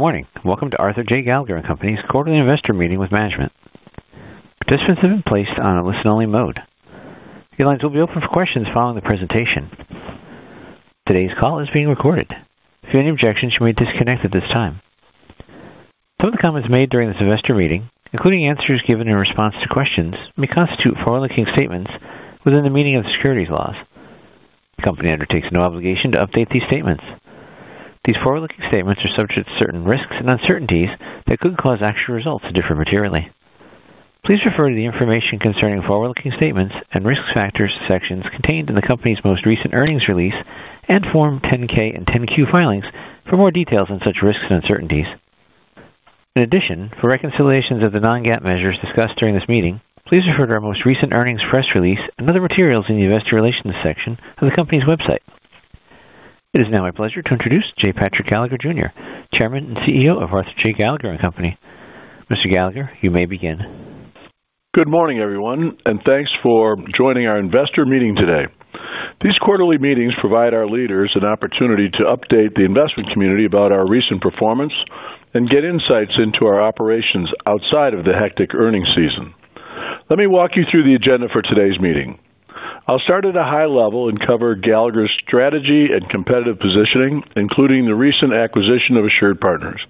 Good morning. Welcome to Arthur J. Gallagher & Co.'s quarterly investor meeting with management. Participants have been placed on a listen-only mode. The lines will be open for questions following the presentation. Today's call is being recorded. If you have any objections, you may disconnect at this time. Some of the comments made during this investor meeting, including answers given in response to questions, may constitute forward-looking statements within the meaning of the securities laws. The company undertakes no obligation to update these statements. These forward-looking statements are subject to certain risks and uncertainties that could cause actual results to differ materially. Please refer to the information concerning forward-looking statements and risk factors sections contained in the company's most recent earnings release and Form 10-K and 10-Q filings for more details on such risks and uncertainties. In addition, for reconciliations of the non-GAAP measures discussed during this meeting, please refer to our most recent earnings press release and other materials in the investor relations section of the company's website. It is now my pleasure to introduce J. Patrick Gallagher, Jr., Chairman and CEO of Arthur J. Gallagher & Co. Mr. Gallagher, you may begin. Good morning, everyone, and thanks for joining our investor meeting today. These quarterly meetings provide our leaders an opportunity to update the investment community about our recent performance and get insights into our operations outside of the hectic earnings season. Let me walk you through the agenda for today's meeting. I'll start at a high level and cover Gallagher's strategy and competitive positioning, including the recent acquisition of AssuredPartners.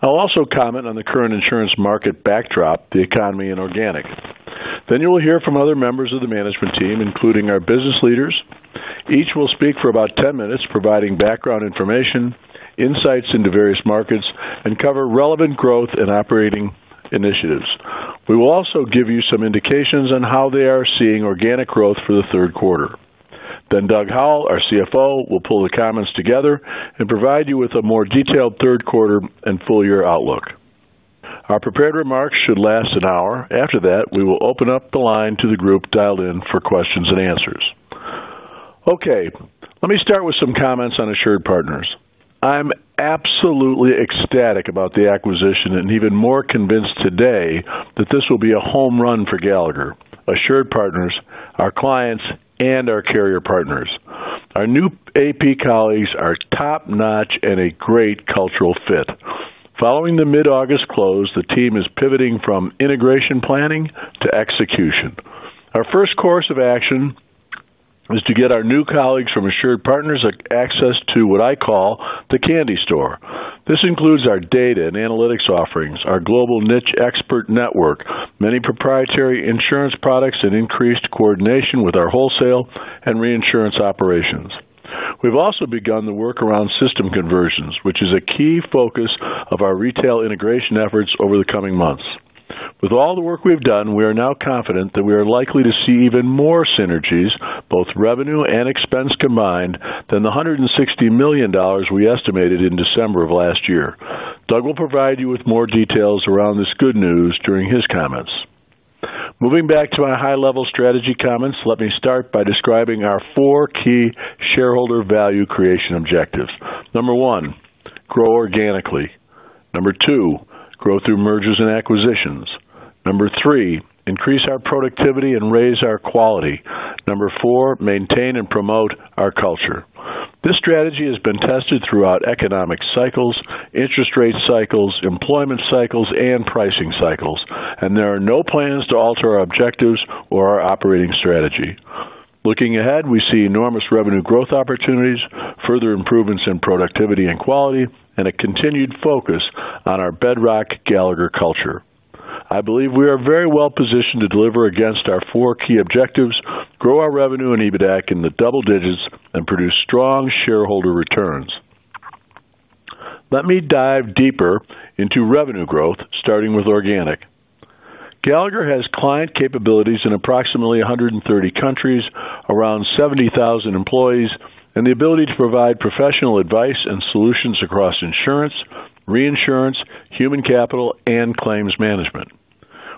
I'll also comment on the current insurance market backdrop, the economy in organic. You will hear from other members of the management team, including our business leaders. Each will speak for about 10 minutes, providing background information, insights into various markets, and cover relevant growth and operating initiatives. We will also give you some indications on how they are seeing organic growth for the third quarter. Doug Howell, our CFO, will pull the comments together and provide you with a more detailed third quarter and full-year outlook. Our prepared remarks should last an hour. After that, we will open up the line to the group dialed in for questions and answers. Let me start with some comments on AssuredPartners. I'm absolutely ecstatic about the acquisition and even more convinced today that this will be a home run for Gallagher, AssuredPartners, our clients, and our carrier partners. Our new AP colleagues are top-notch and a great cultural fit. Following the mid-August close, the team is pivoting from integration planning to execution. Our first course of action is to get our new colleagues from AssuredPartners access to what I call the candy store. This includes our data and analytics offerings, our global niche expert network, many proprietary insurance products, and increased coordination with our wholesale and reinsurance operations. We've also begun the work around system conversions, which is a key focus of our retail integration efforts over the coming months. With all the work we've done, we are now confident that we are likely to see even more synergies, both revenue and expense combined, than the $160 million we estimated in December of last year. Doug will provide you with more details around this good news during his comments. Moving back to my high-level strategy comments, let me start by describing our four key shareholder value creation objectives. Number one, grow organically. Number two, grow through mergers and acquisitions. Number three, increase our productivity and raise our quality. Number four, maintain and promote our culture. This strategy has been tested throughout economic cycles, interest rate cycles, employment cycles, and pricing cycles, and there are no plans to alter our objectives or our operating strategy. Looking ahead, we see enormous revenue growth opportunities, further improvements in productivity and quality, and a continued focus on our bedrock Gallagher culture. I believe we are very well positioned to deliver against our four key objectives, grow our revenue and EBITDA in the double digits, and produce strong shareholder returns. Let me dive deeper into revenue growth, starting with organic. Gallagher has client capabilities in approximately 130 countries, around 70,000 employees, and the ability to provide professional advice and solutions across insurance, reinsurance, human capital, and claims management.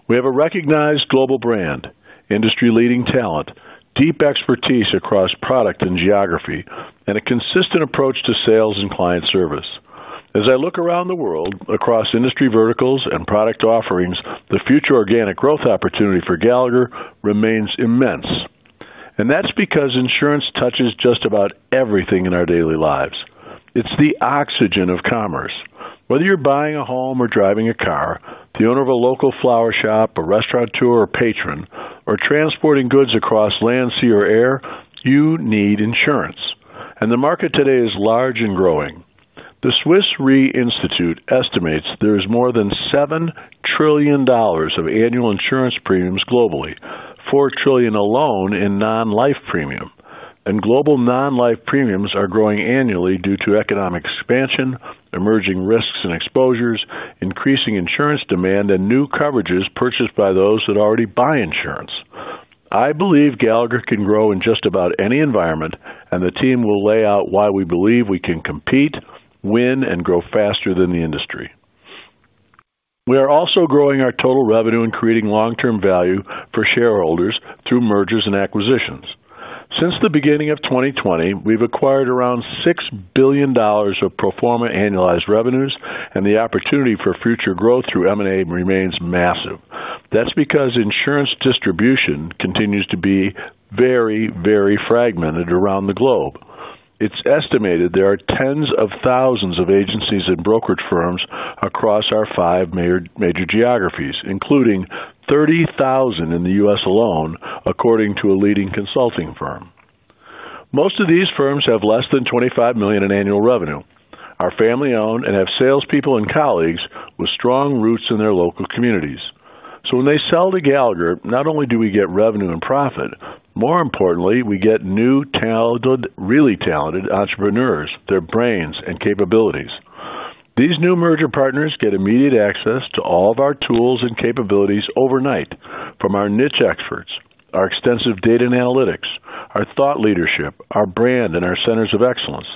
We have a recognized global brand, industry-leading talent, deep expertise across product and geography, and a consistent approach to sales and client service. As I look around the world, across industry verticals and product offerings, the future organic growth opportunity for Gallagher remains immense. That is because insurance touches just about everything in our daily lives. It's the oxygen of commerce. Whether you're buying a home or driving a car, the owner of a local flower shop, a restaurateur or patron, or transporting goods across land, sea, or air, you need insurance. The market today is large and growing. The Swiss Re Institute estimates there is more than $7 trillion of annual insurance premiums globally, $4 trillion alone in non-life premium. Global non-life premiums are growing annually due to economic expansion, emerging risks and exposures, increasing insurance demand, and new coverages purchased by those that already buy insurance. I believe Gallagher can grow in just about any environment, and the team will lay out why we believe we can compete, win, and grow faster than the industry. We are also growing our total revenue and creating long-term value for shareholders through mergers and acquisitions. Since the beginning of 2020, we've acquired around $6 billion of proforma annualized revenues, and the opportunity for future growth through M&A remains massive. That is because insurance distribution continues to be very, very fragmented around the globe. It's estimated there are tens of thousands of agencies and brokerage firms across our five major geographies, including 30,000 in the U.S. alone, according to a leading consulting firm. Most of these firms have less than $25 million in annual revenue, are family-owned, and have salespeople and colleagues with strong roots in their local communities. When they sell to Gallagher, not only do we get revenue and profit, more importantly, we get new, really talented entrepreneurs, their brains and capabilities. These new merger partners get immediate access to all of our tools and capabilities overnight from our niche experts, our extensive data analytics, our thought leadership, our brand, and our Centers of Excellence.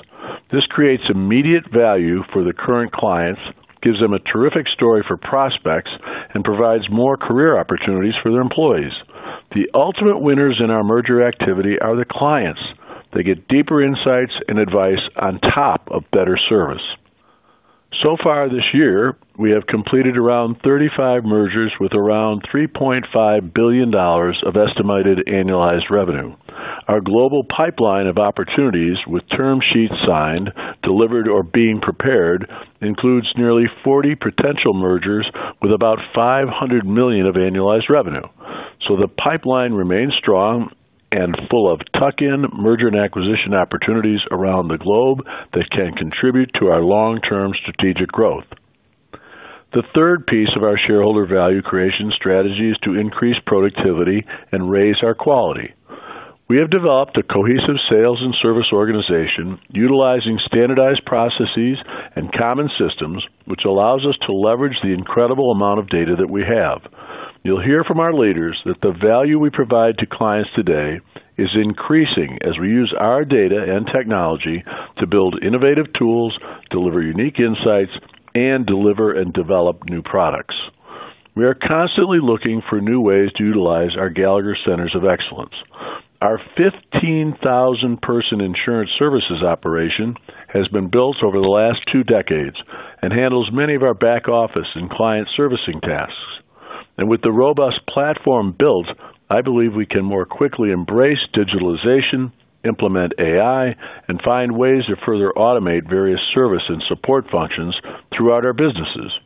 This creates immediate value for the current clients, gives them a terrific story for prospects, and provides more career opportunities for their employees. The ultimate winners in our merger activity are the clients. They get deeper insights and advice on top of better service. So far this year, we have completed around 35 mergers with around $3.5 billion of estimated annualized revenue. Our global pipeline of opportunities with term sheets signed, delivered, or being prepared includes nearly 40 potential mergers with about $500 million of annualized revenue. The pipeline remains strong and full of tuck-in merger and acquisition opportunities around the globe that can contribute to our long-term strategic growth. The third piece of our shareholder value creation strategy is to increase productivity and raise our quality. We have developed a cohesive sales and service organization utilizing standardized processes and common systems, which allows us to leverage the incredible amount of data that we have. You'll hear from our leaders that the value we provide to clients today is increasing as we use our data and technology to build innovative tools, deliver unique insights, and deliver and develop new products. We are constantly looking for new ways to utilize our Gallagher Centers of Excellence. Our 15,000-person insurance services operation has been built over the last two decades and handles many of our back office and client servicing tasks. With the robust platform built, I believe we can more quickly embrace digitalization, implement AI, and find ways to further automate various service and support functions throughout our businesses.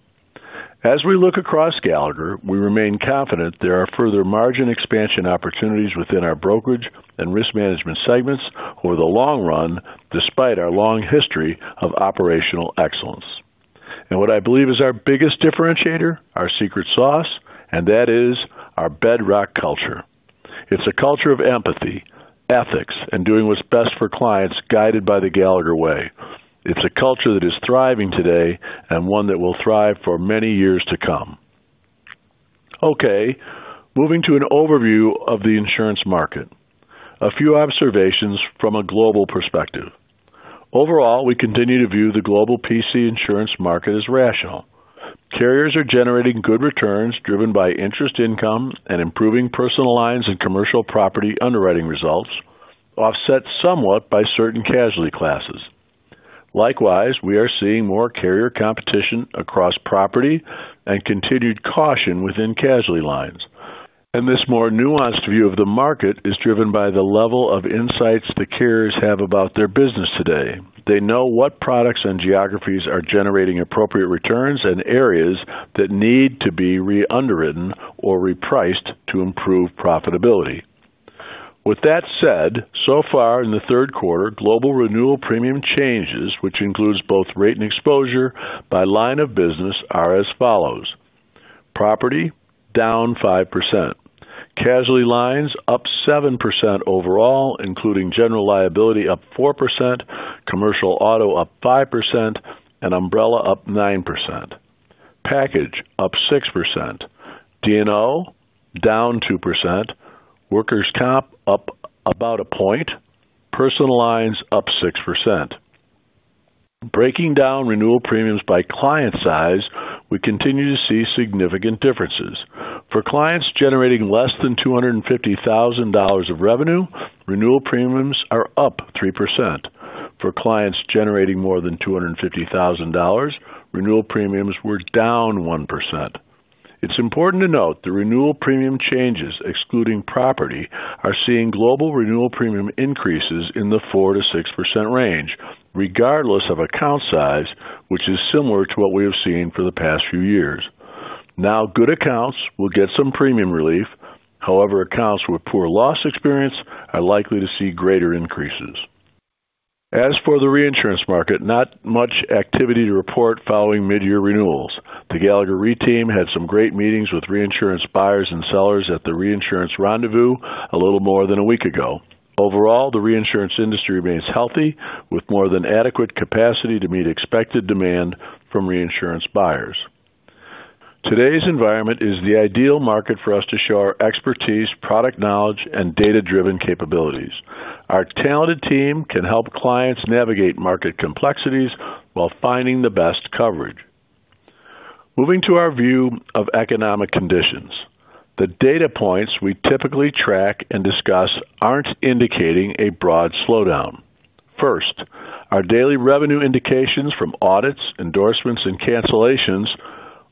As we look across Gallagher, we remain confident there are further margin expansion opportunities within our brokerage and risk management segments over the long run, despite our long history of operational excellence. What I believe is our biggest differentiator, our secret sauce, is our bedrock culture. It's a culture of empathy, ethics, and doing what's best for clients, guided by the Gallagher way. It's a culture that is thriving today and one that will thrive for many years to come. Okay, moving to an overview of the insurance market. A few observations from a global perspective. Overall, we continue to view the global P&C insurance market as rational. Carriers are generating good returns driven by interest income and improving personal lines and commercial property underwriting results, offset somewhat by certain casualty classes. Likewise, we are seeing more carrier competition across property and continued caution within casualty lines. This more nuanced view of the market is driven by the level of insights the carriers have about their business today. They know what products and geographies are generating appropriate returns and areas that need to be re-underwritten or repriced to improve profitability. With that said, so far in the third quarter, global renewal premium changes, which includes both rate and exposure by line of business, are as follows: Property down 5%, casualty lines up 7% overall, including general liability up 4%, commercial auto up 5%, and umbrella up 9%, package up 6%, D&O down 2%, workers comp up about a point, personal lines up 6%. Breaking down renewal premiums by client size, we continue to see significant differences. For clients generating less than $250,000 of revenue, renewal premiums are up 3%. For clients generating more than $250,000, renewal premiums were down 1%. It's important to note the renewal premium changes, excluding property, are seeing global renewal premium increases in the 4% to 6% range, regardless of account size, which is similar to what we have seen for the past few years. Good accounts will get some premium relief. However, accounts with poor loss experience are likely to see greater increases. As for the reinsurance market, not much activity to report following mid-year renewals. The Gallagher Re team had some great meetings with reinsurance buyers and sellers at the reinsurance rendezvous a little more than a week ago. Overall, the reinsurance industry remains healthy, with more than adequate capacity to meet expected demand from reinsurance buyers. Today's environment is the ideal market for us to show our expertise, product knowledge, and data-driven capabilities. Our talented team can help clients navigate market complexities while finding the best coverage. Moving to our view of economic conditions, the data points we typically track and discuss aren't indicating a broad slowdown. First, our daily revenue indications from audits, endorsements, and cancellations,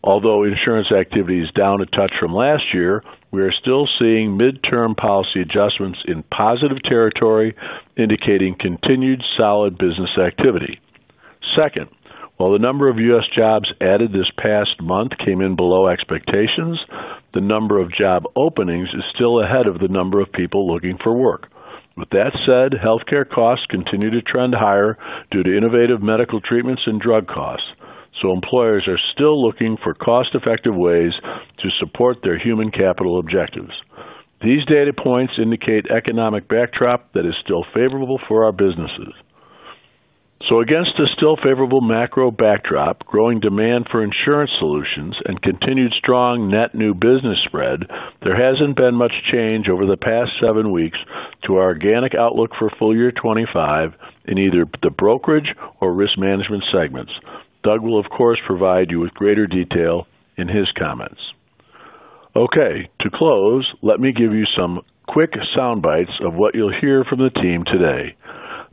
although insurance activity is down a touch from last year, we are still seeing midterm policy adjustments in positive territory, indicating continued solid business activity. Second, while the number of U.S. jobs added this past month came in below expectations, the number of job openings is still ahead of the number of people looking for work. With that said, healthcare costs continue to trend higher due to innovative medical treatments and drug costs. Employers are still looking for cost-effective ways to support their human capital objectives. These data points indicate an economic backdrop that is still favorable for our businesses. Against a still favorable macro backdrop, growing demand for insurance solutions, and continued strong net new business spread, there hasn't been much change over the past seven weeks to our organic outlook for full-year 2025 in either the brokerage segment or risk management segment. Doug Howell will, of course, provide you with greater detail in his comments. To close, let me give you some quick soundbites of what you'll hear from the team today.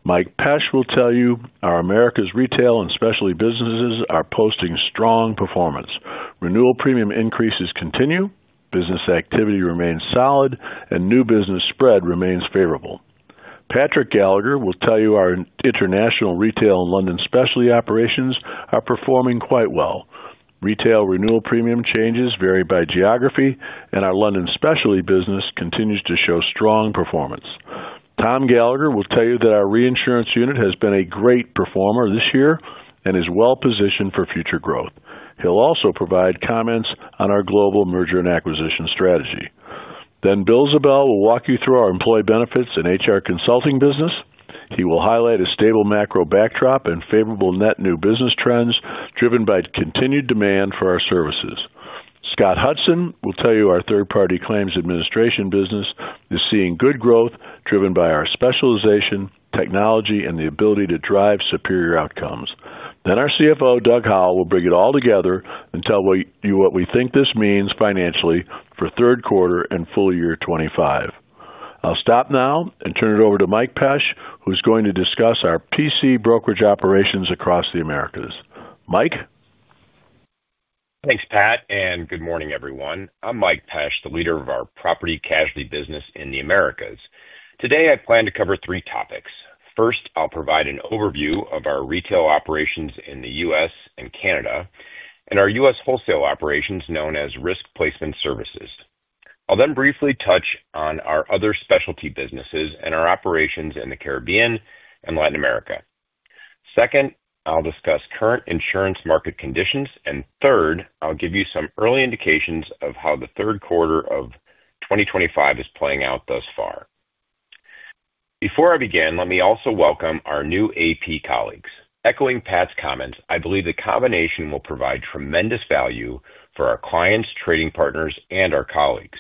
Mike Pesce will tell you our Americas retail and specialty businesses are posting strong performance. Renewal premium increases continue, business activity remains solid, and new business spread remains favorable. Patrick Gallagher will tell you our international retail and London specialty operations are performing quite well. Retail renewal premium changes vary by geography, and our London specialty business continues to show strong performance. Tom Gallagher will tell you that our reinsurance unit has been a great performer this year and is well positioned for future growth. He'll also provide comments on our global M&A strategy. Bill Ziebell will walk you through our employee benefits and HR consulting business. He will highlight a stable macro backdrop and favorable net new business trends driven by continued demand for our services. Scott Hudson will tell you our third-party claims administration business is seeing good growth driven by our specialization, technology, and the ability to drive superior outcomes. Our CFO, Doug Howell, will bring it all together and tell you what we think this means financially for third quarter and full year 2025. I'll stop now and turn it over to Mike Pesce, who's going to discuss our P&C brokerage operations across the Americas. Mike? Thanks, Pat, and good morning, everyone. I'm Mike Pesce, the leader of our property and casualty business in the Americas. Today, I plan to cover three topics. First, I'll provide an overview of our retail operations in the U.S. and Canada, and our U.S. wholesale operations known as risk placement services. I'll then briefly touch on our other specialty businesses and our operations in the Caribbean and Latin America. Second, I'll discuss current insurance market conditions, and third, I'll give you some early indications of how the third quarter of 2025 is playing out thus far. Before I begin, let me also welcome our new AssuredPartners colleagues. Echoing Pat's comments, I believe the combination will provide tremendous value for our clients, trading partners, and our colleagues.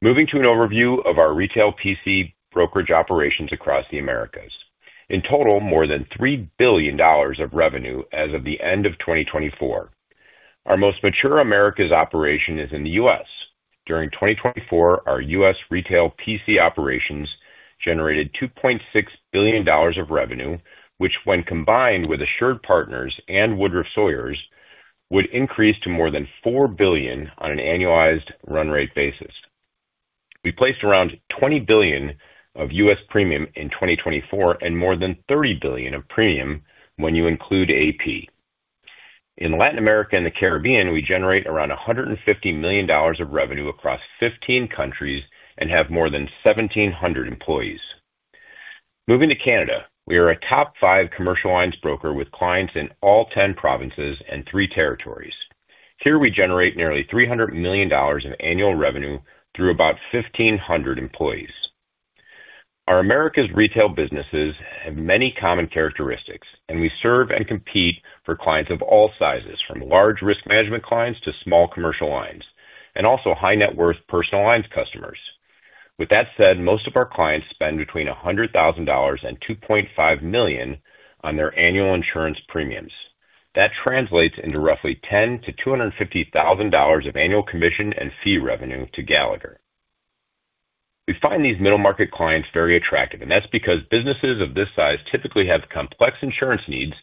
Moving to an overview of our retail property and casualty brokerage operations across the Americas. In total, more than $3 billion of revenue as of the end of 2024. Our most mature Americas operation is in the U.S. During 2024, our U.S. retail property and casualty operations generated $2.6 billion of revenue, which, when combined with AssuredPartners and Woodruff Sawyer, would increase to more than $4 billion on an annualized run rate basis. We placed around $20 billion of U.S. premium in 2024 and more than $30 billion of premium when you include AssuredPartners. In Latin America and the Caribbean, we generate around $150 million of revenue across 15 countries and have more than 1,700 employees. Moving to Canada, we are a top five commercial lines broker with clients in all 10 provinces and three territories. Here, we generate nearly $300 million of annual revenue through about 1,500 employees. Our Americas retail businesses have many common characteristics, and we serve and compete for clients of all sizes, from large risk management clients to small commercial lines, and also high net worth personal lines customers. With that said, most of our clients spend between $100,000 and $2.5 million on their annual insurance premiums. That translates into roughly $10,000 to $250,000 of annual commission and fee revenue to Gallagher. We find these middle-market clients very attractive, and that's because businesses of this size typically have complex insurance needs,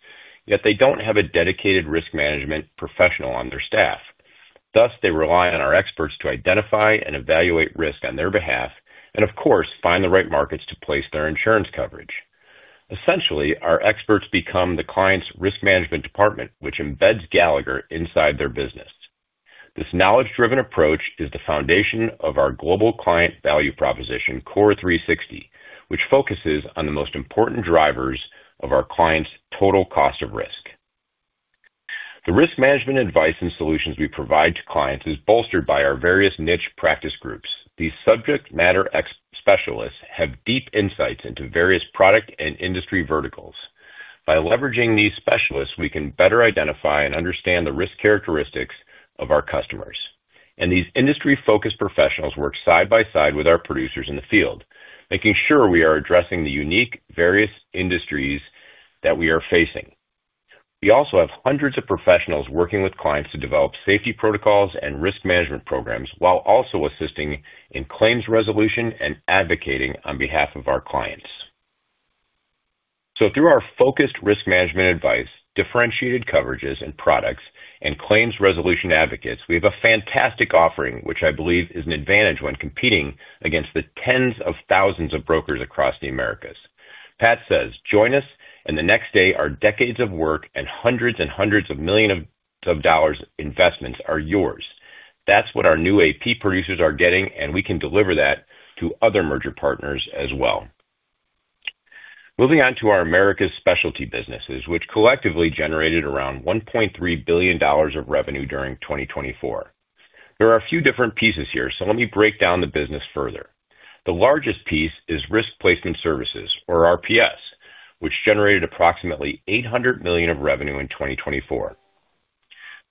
yet they don't have a dedicated risk management professional on their staff. Thus, they rely on our experts to identify and evaluate risk on their behalf, and of course, find the right markets to place their insurance coverage. Essentially, our experts become the client's risk management department, which embeds Gallagher inside their business. This knowledge-driven approach is the foundation of our global client value proposition, CORE 360, which focuses on the most important drivers of our clients' total cost of risk. The risk management advice and solutions we provide to clients are bolstered by our various niche practice groups. These subject matter specialists have deep insights into various product and industry verticals. By leveraging these specialists, we can better identify and understand the risk characteristics of our customers. These industry-focused professionals work side by side with our producers in the field, making sure we are addressing the unique, various industries that we are facing. We also have hundreds of professionals working with clients to develop safety protocols and risk management programs, while also assisting in claims resolution and advocating on behalf of our clients. Through our focus, moving on to our Americas specialty businesses, which collectively generated around $1.3 billion of revenue during 2024. There are a few different pieces here, so let me break down the business further. The largest piece is Risk Placement Services, or RPS, which generated approximately $800 million of revenue in 2024.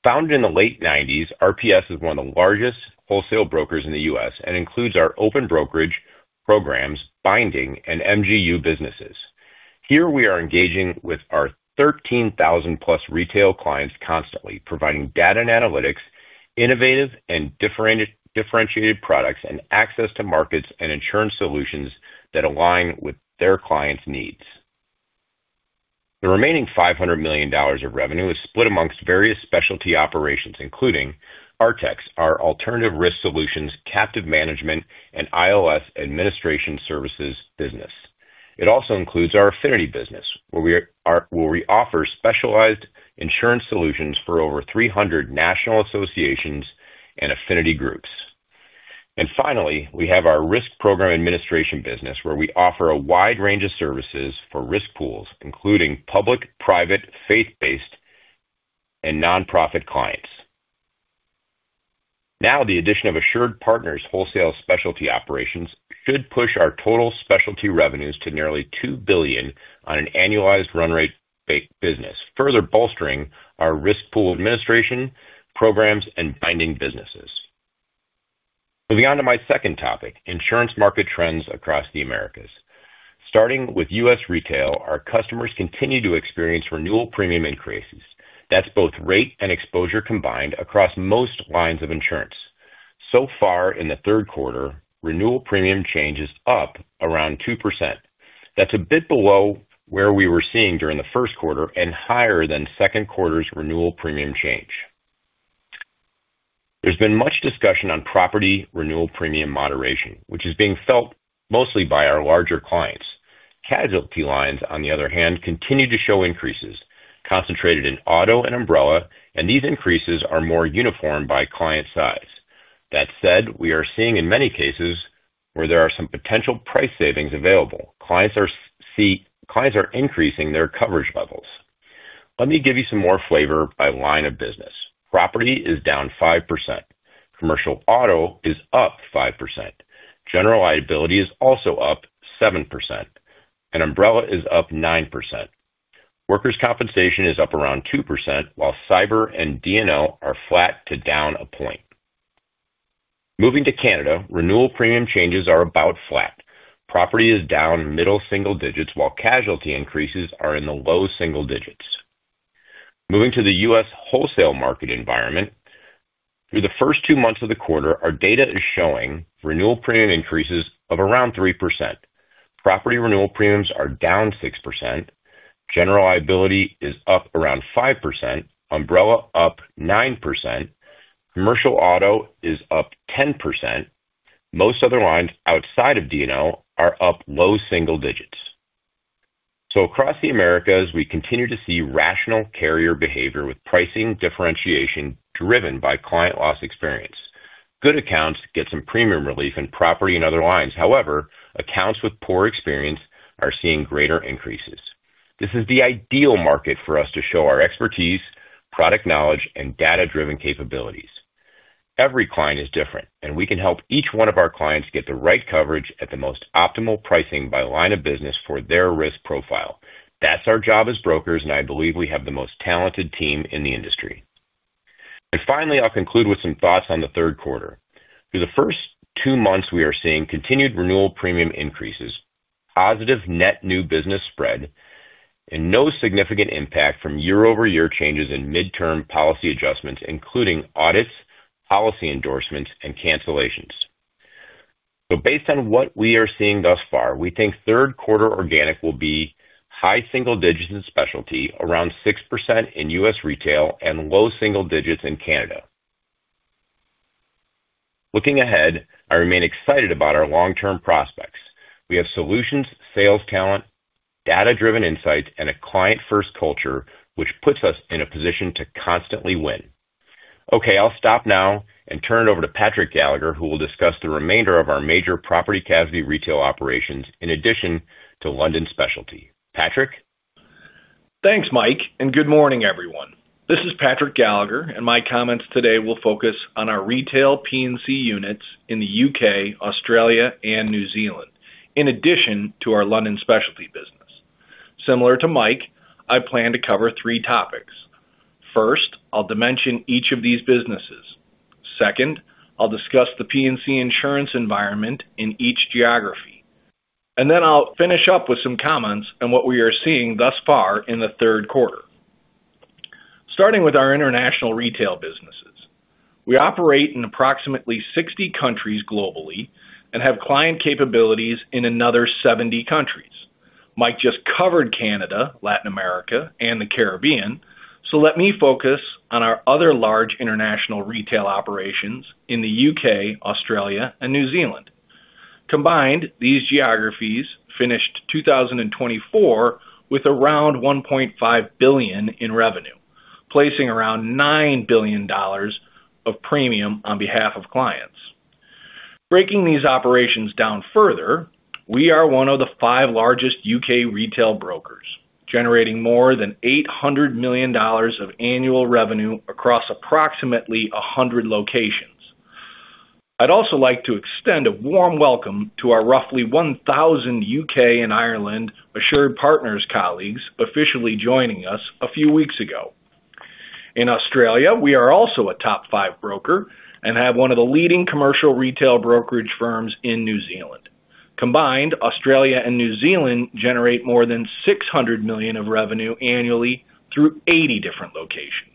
Founded in the late 1990s, RPS is one of the largest wholesale brokers in the U.S. and includes our open brokerage. Here we are engaging with our 13,000-plus retail clients constantly, providing data and analytics, innovative and differentiated products, and access to markets and insurance solutions that align with their clients' needs. The remaining $500 million of revenue is split amongst various specialty operations, including ARTEX, our alternative risk solutions, captive management, and IOS administration services business. It also includes our affinity business, where we offer specialized insurance solutions for over 300 national associations and affinity groups. Finally, we have our risk program administration business, where we offer a wide range of services for risk pools, including public, private, faith-based, and nonprofit clients. The addition of AssuredPartners' wholesale specialty operations should push our total specialty revenues to nearly $2 billion on an annualized run rate basis, further bolstering our risk pool administration programs and binding businesses. Moving on to my second topic, insurance market trends across the Americas. Starting with U.S. retail, our customers continue to experience renewal premium increases. That's both rate and exposure combined across most lines of insurance. So far, in the third quarter, renewal premium changes are up around 2%. That's a bit below where we were seeing during the first quarter and higher than second quarter's renewal premium change. There has been much discussion on property renewal premium moderation, which is being felt mostly by our larger clients. Casualty lines, on the other hand, continue to show increases, concentrated in auto and umbrella, and these increases are more uniform by client size. That said, we are seeing in many cases where there are some potential price savings available. Clients are increasing their coverage levels. Let me give you some more flavor by line of business. Property is down 5%. Commercial Auto is up 5%. General Liability is also up 7%. Umbrella is up 9%. Workers' Compensation is up around 2%, while Cyber and D&O are flat to down a point. Moving to Canada, renewal premium changes are about flat. Property is down middle single digits, while casualty increases are in the low single digits. Moving to the U.S. wholesale market environment, through the first two months of the quarter, our data is showing renewal premium increases of around 3%. Property renewal premiums are down 6%. General Liability is up around 5%. Umbrella up 9%. Commercial Auto is up 10%. Most other lines outside of D&O are up low single digits. Across the Americas, we continue to see rational carrier behavior with pricing differentiation driven by client loss experience. Good accounts get some premium relief in property and other lines. However, accounts with poor experience are seeing greater increases. This is the ideal market for us to show our expertise, product knowledge, and data-driven capabilities. Every client is different, and we can help each one of our clients get the right coverage at the most optimal pricing by line of business for their risk profile. That's our job as brokers, and I believe we have the most talented team in the industry. Finally, I'll conclude with some thoughts on the third quarter. Through the first two months, we are seeing continued renewal premium increases, positive net new business spread, and no significant impact from year-over-year changes in midterm policy adjustments, including audits, policy endorsements, and cancellations. Based on what we are seeing thus far, we think third quarter organic will be high single digits in specialty, around 6% in U.S. retail, and low single digits in Canada. Looking ahead, I remain excited about our long-term prospects. We have solutions, sales talent, data-driven insights, and a client-first culture, which puts us in a position to constantly win. I'll stop now and turn it over to Patrick Gallagher, who will discuss the remainder of our major property and casualty retail operations in addition to London specialty. Patrick? Thanks, Mike, and good morning, everyone. This is Patrick Gallagher, and my comments today will focus on our retail P&C units in the UK, Australia, and New Zealand, in addition to our London specialty business. Similar to Mike, I plan to cover three topics. First, I'll dimension each of these businesses. Second, I'll discuss the P&C insurance environment in each geography. Then I'll finish up with some comments on what we are seeing thus far in the third quarter. Starting with our international retail businesses, we operate in approximately 60 countries globally and have client capabilities in another 70 countries. Mike just covered Canada, Latin America, and the Caribbean, so let me focus on our other large international retail operations in the UK, Australia, and New Zealand. Combined, these geographies finished 2024 with around $1.5 billion in revenue, placing around $9 billion of premium on behalf of clients. Breaking these operations down further, we are one of the five largest UK retail brokers, generating more than $800 million of annual revenue across approximately 100 locations. I'd also like to extend a warm welcome to our roughly 1,000 UK and Ireland AssuredPartners colleagues officially joining us a few weeks ago. In Australia, we are also a top five broker and have one of the leading commercial retail brokerage firms in New Zealand. Combined, Australia and New Zealand generate more than $600 million of revenue annually through 80 different locations.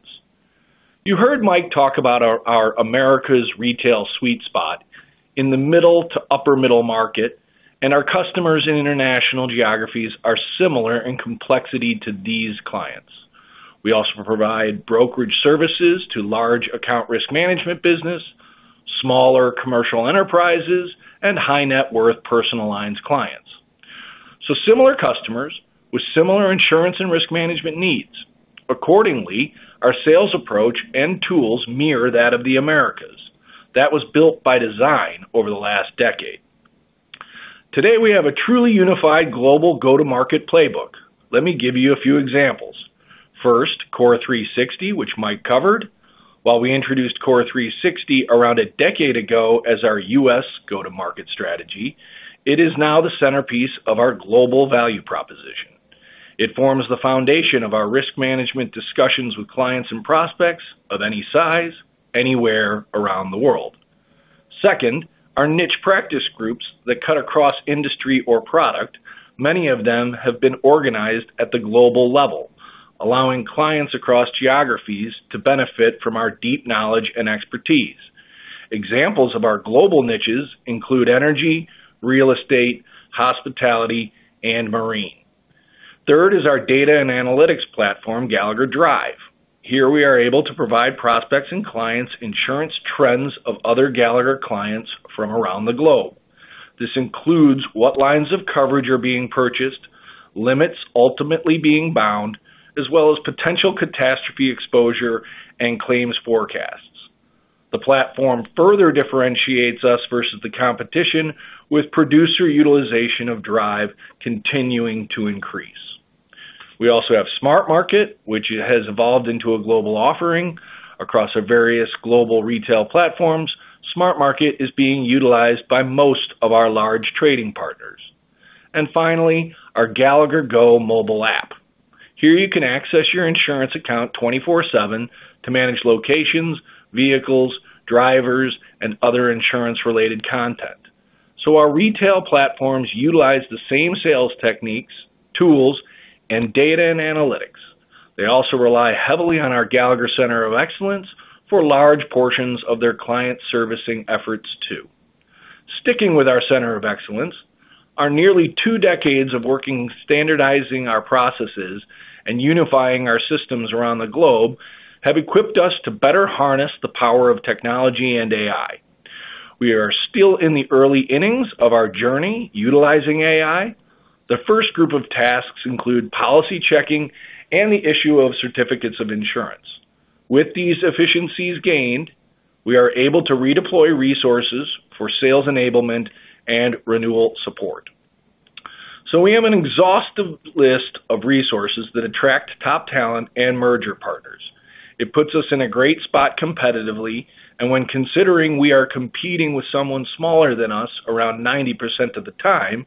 You heard Mike talk about our Americas retail sweet spot in the middle to upper-middle market, and our customers in international geographies are similar in complexity to these clients. We also provide brokerage services to large account risk management business, smaller commercial enterprises, and high net worth personal lines clients. Similar customers with similar insurance and risk management needs. Accordingly, our sales approach and tools mirror that of the Americas. That was built by design over the last decade. Today, we have a truly unified global go-to-market playbook. Let me give you a few examples. First, CORE 360, which Mike covered. While we introduced CORE 360 around a decade ago as our U.S. go-to-market strategy, it is now the centerpiece of our global value proposition. It forms the foundation of our risk management discussions with clients and prospects of any size, anywhere around the world. Second, our niche practice groups that cut across industry or product, many of them have been organized at the global level, allowing clients across geographies to benefit from our deep knowledge and expertise. Examples of our global niches include energy, real estate, hospitality, and marine. Third is our data and analytics platform, Gallagher Drive. Here, we are able to provide prospects and clients insurance trends of other Gallagher clients from around the globe. This includes what lines of coverage are being purchased, limits ultimately being bound, as well as potential catastrophe exposure and claims forecasts. The platform further differentiates us versus the competition, with producer utilization of Drive continuing to increase. We also have Smart Market, which has evolved into a global offering across our various global retail platforms. Smart Market is being utilized by most of our large trading partners. Finally, our Gallagher Go mobile app. Here, you can access your insurance account 24/7 to manage locations, vehicles, drivers, and other insurance-related content. Our retail platforms utilize the same sales techniques, tools, and data and analytics. They also rely heavily on our Gallagher Centers of Excellence for large portions of their client servicing efforts too. Sticking with our Centers of Excellence, our nearly two decades of working standardizing our processes and unifying our systems around the globe have equipped us to better harness the power of technology and AI. We are still in the early innings of our journey utilizing AI. The first group of tasks include policy checking and the issue of certificates of insurance. With these efficiencies gained, we are able to redeploy resources for sales enablement and renewal support. We have an exhaustive list of resources that attract top talent and merger partners. It puts us in a great spot competitively, and when considering we are competing with someone smaller than us around 90% of the time,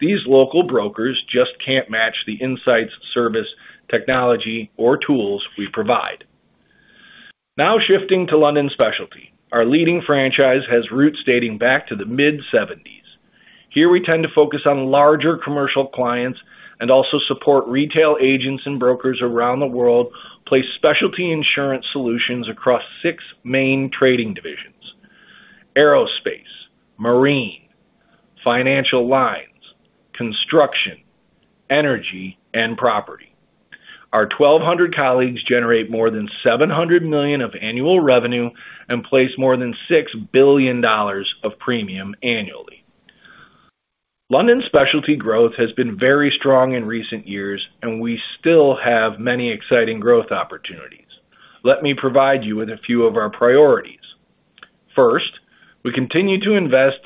these local brokers just can't match the insights, service, technology, or tools we provide. Now shifting to London specialty, our leading franchise has roots dating back to the mid-1970s. Here, we tend to focus on larger commercial clients and also support retail agents and brokers around the world, place specialty insurance solutions across six main trading divisions: aerospace, marine and financial lines, construction, energy, and property. Our 1,200 colleagues generate more than $700 million of annual revenue and place more than $6 billion of premium annually. London specialty growth has been very strong in recent years, and we still have many exciting growth opportunities. Let me provide you with a few of our priorities. First, we continue to invest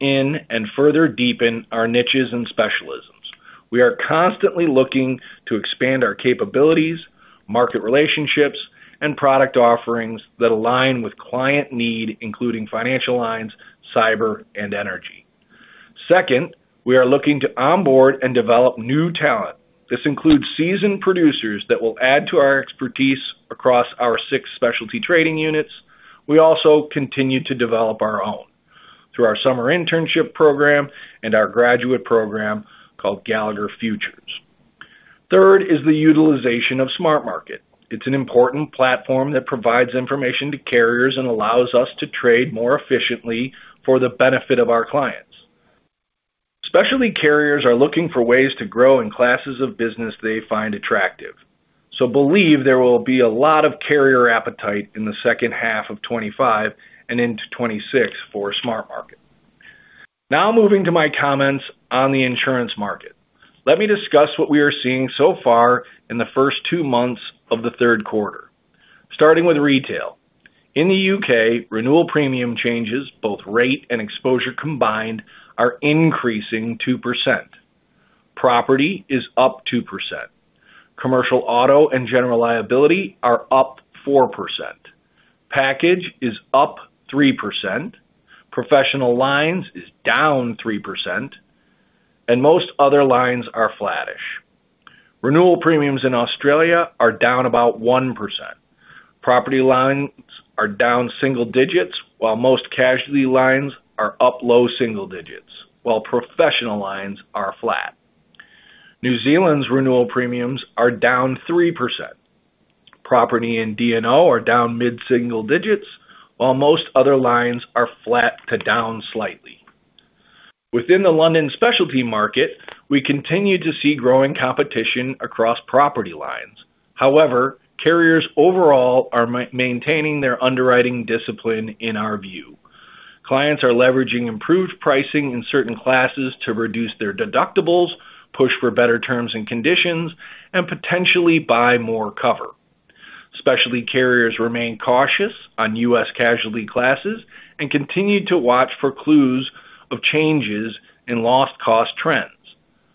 in and further deepen our niches and specialisms. We are constantly looking to expand our capabilities, market relationships, and product offerings that align with client need, including financial lines, cyber, and energy. Second, we are looking to onboard and develop new talent. This includes seasoned producers that will add to our expertise across our six specialty trading units. We also continue to develop our own through our summer internship program and our graduate program called Gallagher Futures. Third is the utilization of Smart Market. It's an important platform that provides information to carriers and allows us to trade more efficiently for the benefit of our clients. Specialty carriers are looking for ways to grow in classes of business they find attractive. I believe there will be a lot of carrier appetite in the second half of 2025 and into 2026 for Smart Market. Now moving to my comments on the insurance market. Let me discuss what we are seeing so far in the first two months of the third quarter, starting with retail. In the UK, renewal premium changes, both rate and exposure combined, are increasing 2%. Property is up 2%. Commercial Auto and General Liability are up 4%. Package is up 3%. Professional Lines is down 3%. Most other lines are flattish. Renewal premiums in Australia are down about 1%. Property lines are down single digits, while most casualty lines are up low single digits, while professional lines are flat. New Zealand's renewal premiums are down 3%. Property and D&O are down mid-single digits, while most other lines are flat to down slightly. Within the London specialty market, we continue to see growing competition across property lines. However, carriers overall are maintaining their underwriting discipline in our view. Clients are leveraging improved pricing in certain classes to reduce their deductibles, push for better terms and conditions, and potentially buy more cover. Specialty carriers remain cautious on U.S. casualty classes and continue to watch for clues of changes in loss cost trends.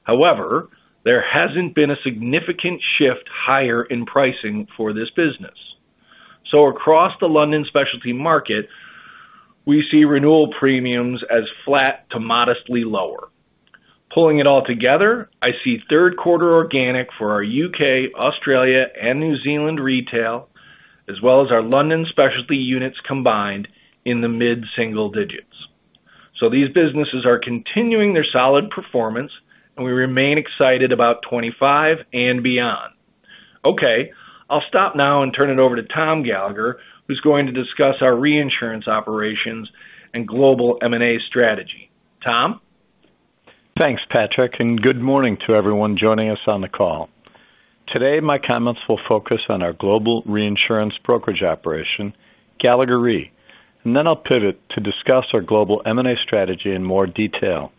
However, there hasn't been a significant shift higher in pricing for this business. Across the London specialty market, we see renewal premiums as flat to modestly lower. Pulling it all together, I see third quarter organic for our UK, Australia, and New Zealand retail, as well as our London specialty units combined in the mid-single digits. These businesses are continuing their solid performance, and we remain excited about 2025 and beyond. I'll stop now and turn it over to Tom Gallagher, who's going to discuss our reinsurance operations and global M&A strategy. Tom? Thanks, Patrick, and good morning to everyone joining us on the call. Today, my comments will focus on our global reinsurance brokerage operation, Gallagher Re, and then I'll pivot to discuss our global M&A strategy in more detail.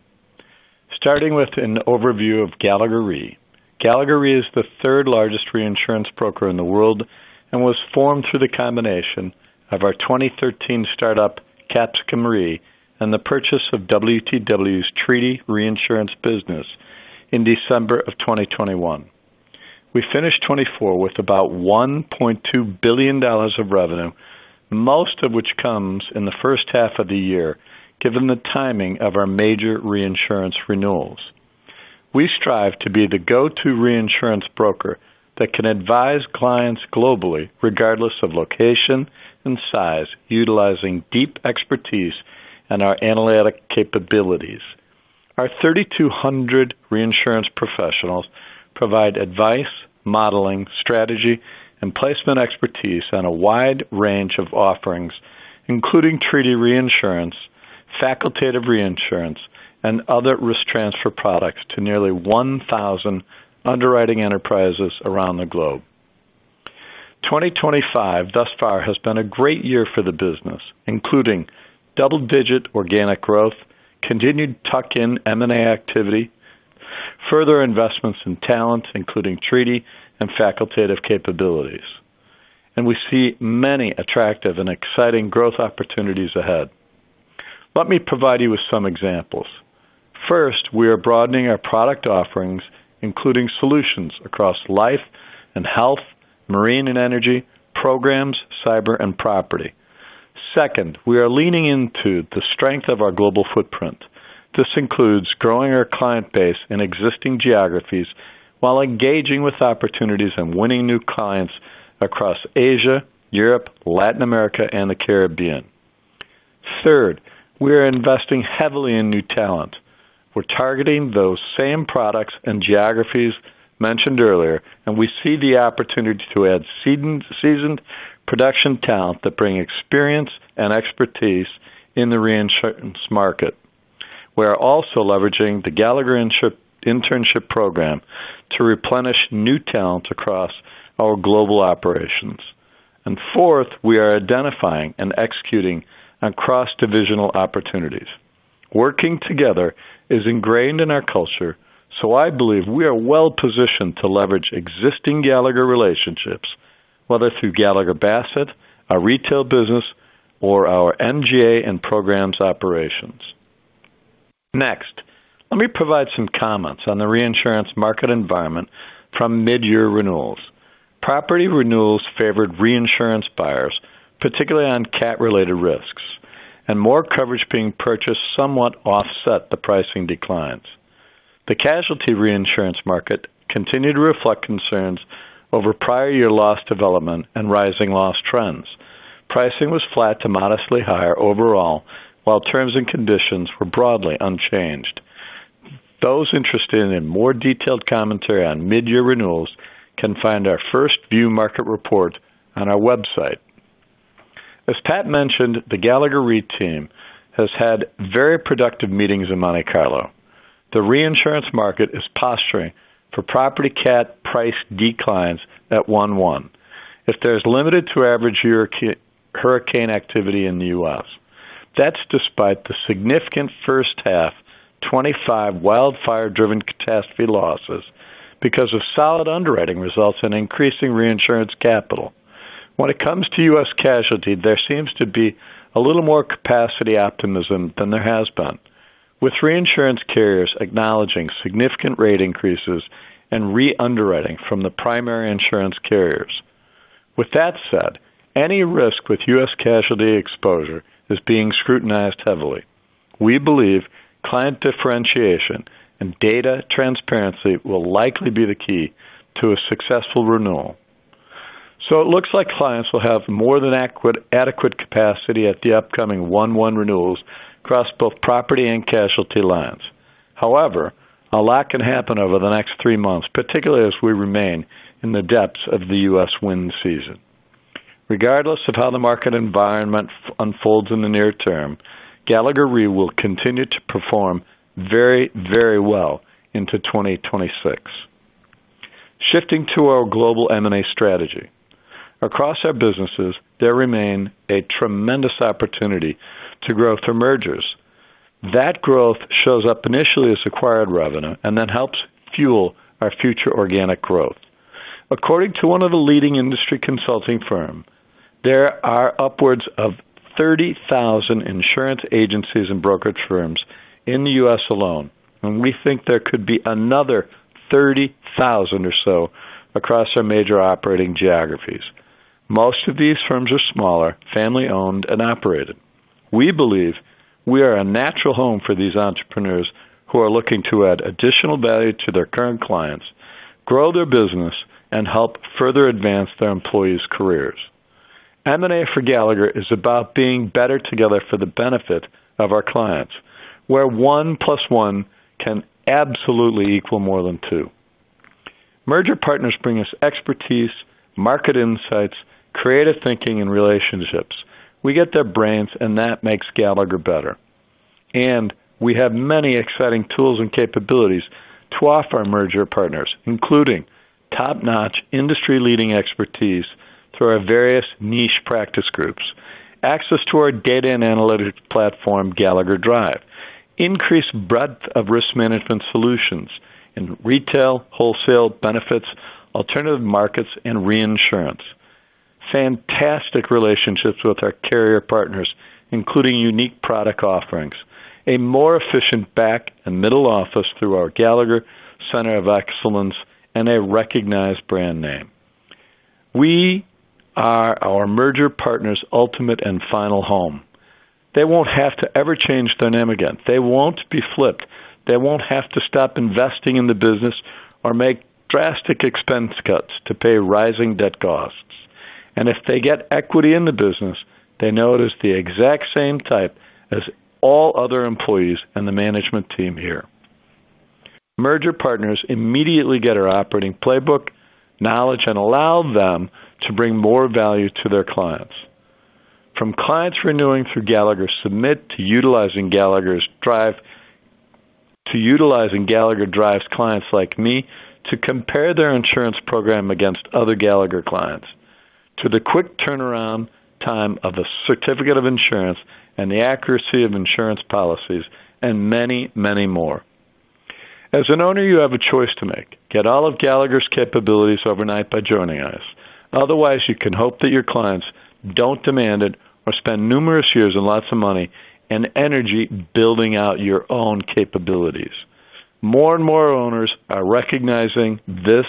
Starting with an overview of Gallagher Re, Gallagher Re is the third largest reinsurance broker in the world and was formed through the combination of our 2013 startup, Capsicum Re, and the purchase of WTW's Treaty Reinsurance business in December 2021. We finished 2024 with about $1.2 billion of revenue, most of which comes in the first half of the year, given the timing of our major reinsurance renewals. We strive to be the go-to reinsurance broker that can advise clients globally, regardless of location and size, utilizing deep expertise and our analytic capabilities. Our 3,200 reinsurance professionals provide advice, modeling, strategy, and placement expertise on a wide range of offerings, including treaty reinsurance, facultative reinsurance, and other risk transfer products to nearly 1,000 underwriting enterprises around the globe. 2025 thus far has been a great year for the business, including double-digit organic growth, continued tuck-in M&A activity, and further investments in talent, including treaty and facultative capabilities. We see many attractive and exciting growth opportunities ahead. Let me provide you with some examples. First, we are broadening our product offerings, including solutions across life and health, marine and energy, programs, cyber, and property. Second, we are leaning into the strength of our global footprint. This includes growing our client base in existing geographies while engaging with opportunities and winning new clients across Asia, Europe, Latin America, and the Caribbean. Third, we are investing heavily in new talent. We're targeting those same products and geographies mentioned earlier, and we see the opportunity to add seasoned production talent that brings experience and expertise in the reinsurance market. We are also leveraging the Gallagher Internship Program to replenish new talent across our global operations. Fourth, we are identifying and executing on cross-divisional opportunities. Working together is ingrained in our culture, so I believe we are well positioned to leverage existing Gallagher relationships, whether through Gallagher Bassett, our retail business, or our NGA and programs operations. Next, let me provide some comments on the reinsurance market environment from mid-year renewals. Property renewals favored reinsurance buyers, particularly on CAT-related risks, and more coverage being purchased somewhat offset the pricing declines. The casualty reinsurance market continued to reflect concerns over prior year loss development and rising loss trends. Pricing was flat to modestly higher overall, while terms and conditions were broadly unchanged. Those interested in more detailed commentary on mid-year renewals can find our first view market report on our website. As Pat mentioned, the Gallagher Re team has had very productive meetings in Monte Carlo. The reinsurance market is posturing for property CAT price declines at one-one if there's limited to average hurricane activity in the U.S. That's despite the significant first half 2025 wildfire-driven catastrophe losses because of solid underwriting results in increasing reinsurance capital. When it comes to U.S. casualty, there seems to be a little more capacity optimism than there has been, with reinsurance carriers acknowledging significant rate increases and re-underwriting from the primary insurance carriers. With that said, any risk with U.S. casualty exposure is being scrutinized heavily. We believe client differentiation and data transparency will likely be the key to a successful renewal. It looks like clients will have more than adequate capacity at the upcoming one-one renewals across both property and casualty lines. However, a lot can happen over the next three months, particularly as we remain in the depths of the U.S. wind season. Regardless of how the market environment unfolds in the near term, Gallagher Re will continue to perform very, very well into 2026. Shifting to our global M&A strategy, across our businesses, there remains a tremendous opportunity to grow through mergers. That growth shows up initially as acquired revenue and then helps fuel our future organic growth. According to one of the leading industry consulting firms, there are upwards of 30,000 insurance agencies and brokerage firms in the U.S. alone, and we think there could be another 30,000 or so across our major operating geographies. Most of these firms are smaller, family-owned, and operated. We believe we are a natural home for these entrepreneurs who are looking to add additional value to their current clients, grow their business, and help further advance their employees' careers. M&A for Gallagher is about being better together for the benefit of our clients, where one plus one can absolutely equal more than two. Merger partners bring us expertise, market insights, creative thinking, and relationships. We get their brains, and that makes Gallagher better. We have many exciting tools and capabilities to offer our merger partners, including top-notch, industry-leading expertise through our various niche practice groups, access to our data and analytics platform, Gallagher Drive, increased breadth of risk management solutions in retail, wholesale, benefits, alternative markets, and reinsurance, fantastic relationships with our carrier partners, including unique product offerings, a more efficient back and middle office through our Gallagher Centers of Excellence, and a recognized brand name. We are our merger partners' ultimate and final home. They won't have to ever change their name again. They won't be flipped. They won't have to stop investing in the business or make drastic expense cuts to pay rising debt costs. If they get equity in the business, they know it is the exact same type as all other employees and the management team here. Merger partners immediately get our operating playbook knowledge and allow them to bring more value to their clients. From clients renewing through Gallagher's submit to utilizing Gallagher Drive to utilizing Gallagher drives clients like me to compare their insurance program against other Gallagher clients to the quick turnaround time of a certificate of insurance and the accuracy of insurance policies and many, many more. As an owner, you have a choice to make. Get all of Gallagher's capabilities overnight by joining us. Otherwise, you can hope that your clients don't demand it or spend numerous years and lots of money and energy building out your own capabilities. More and more owners are recognizing this,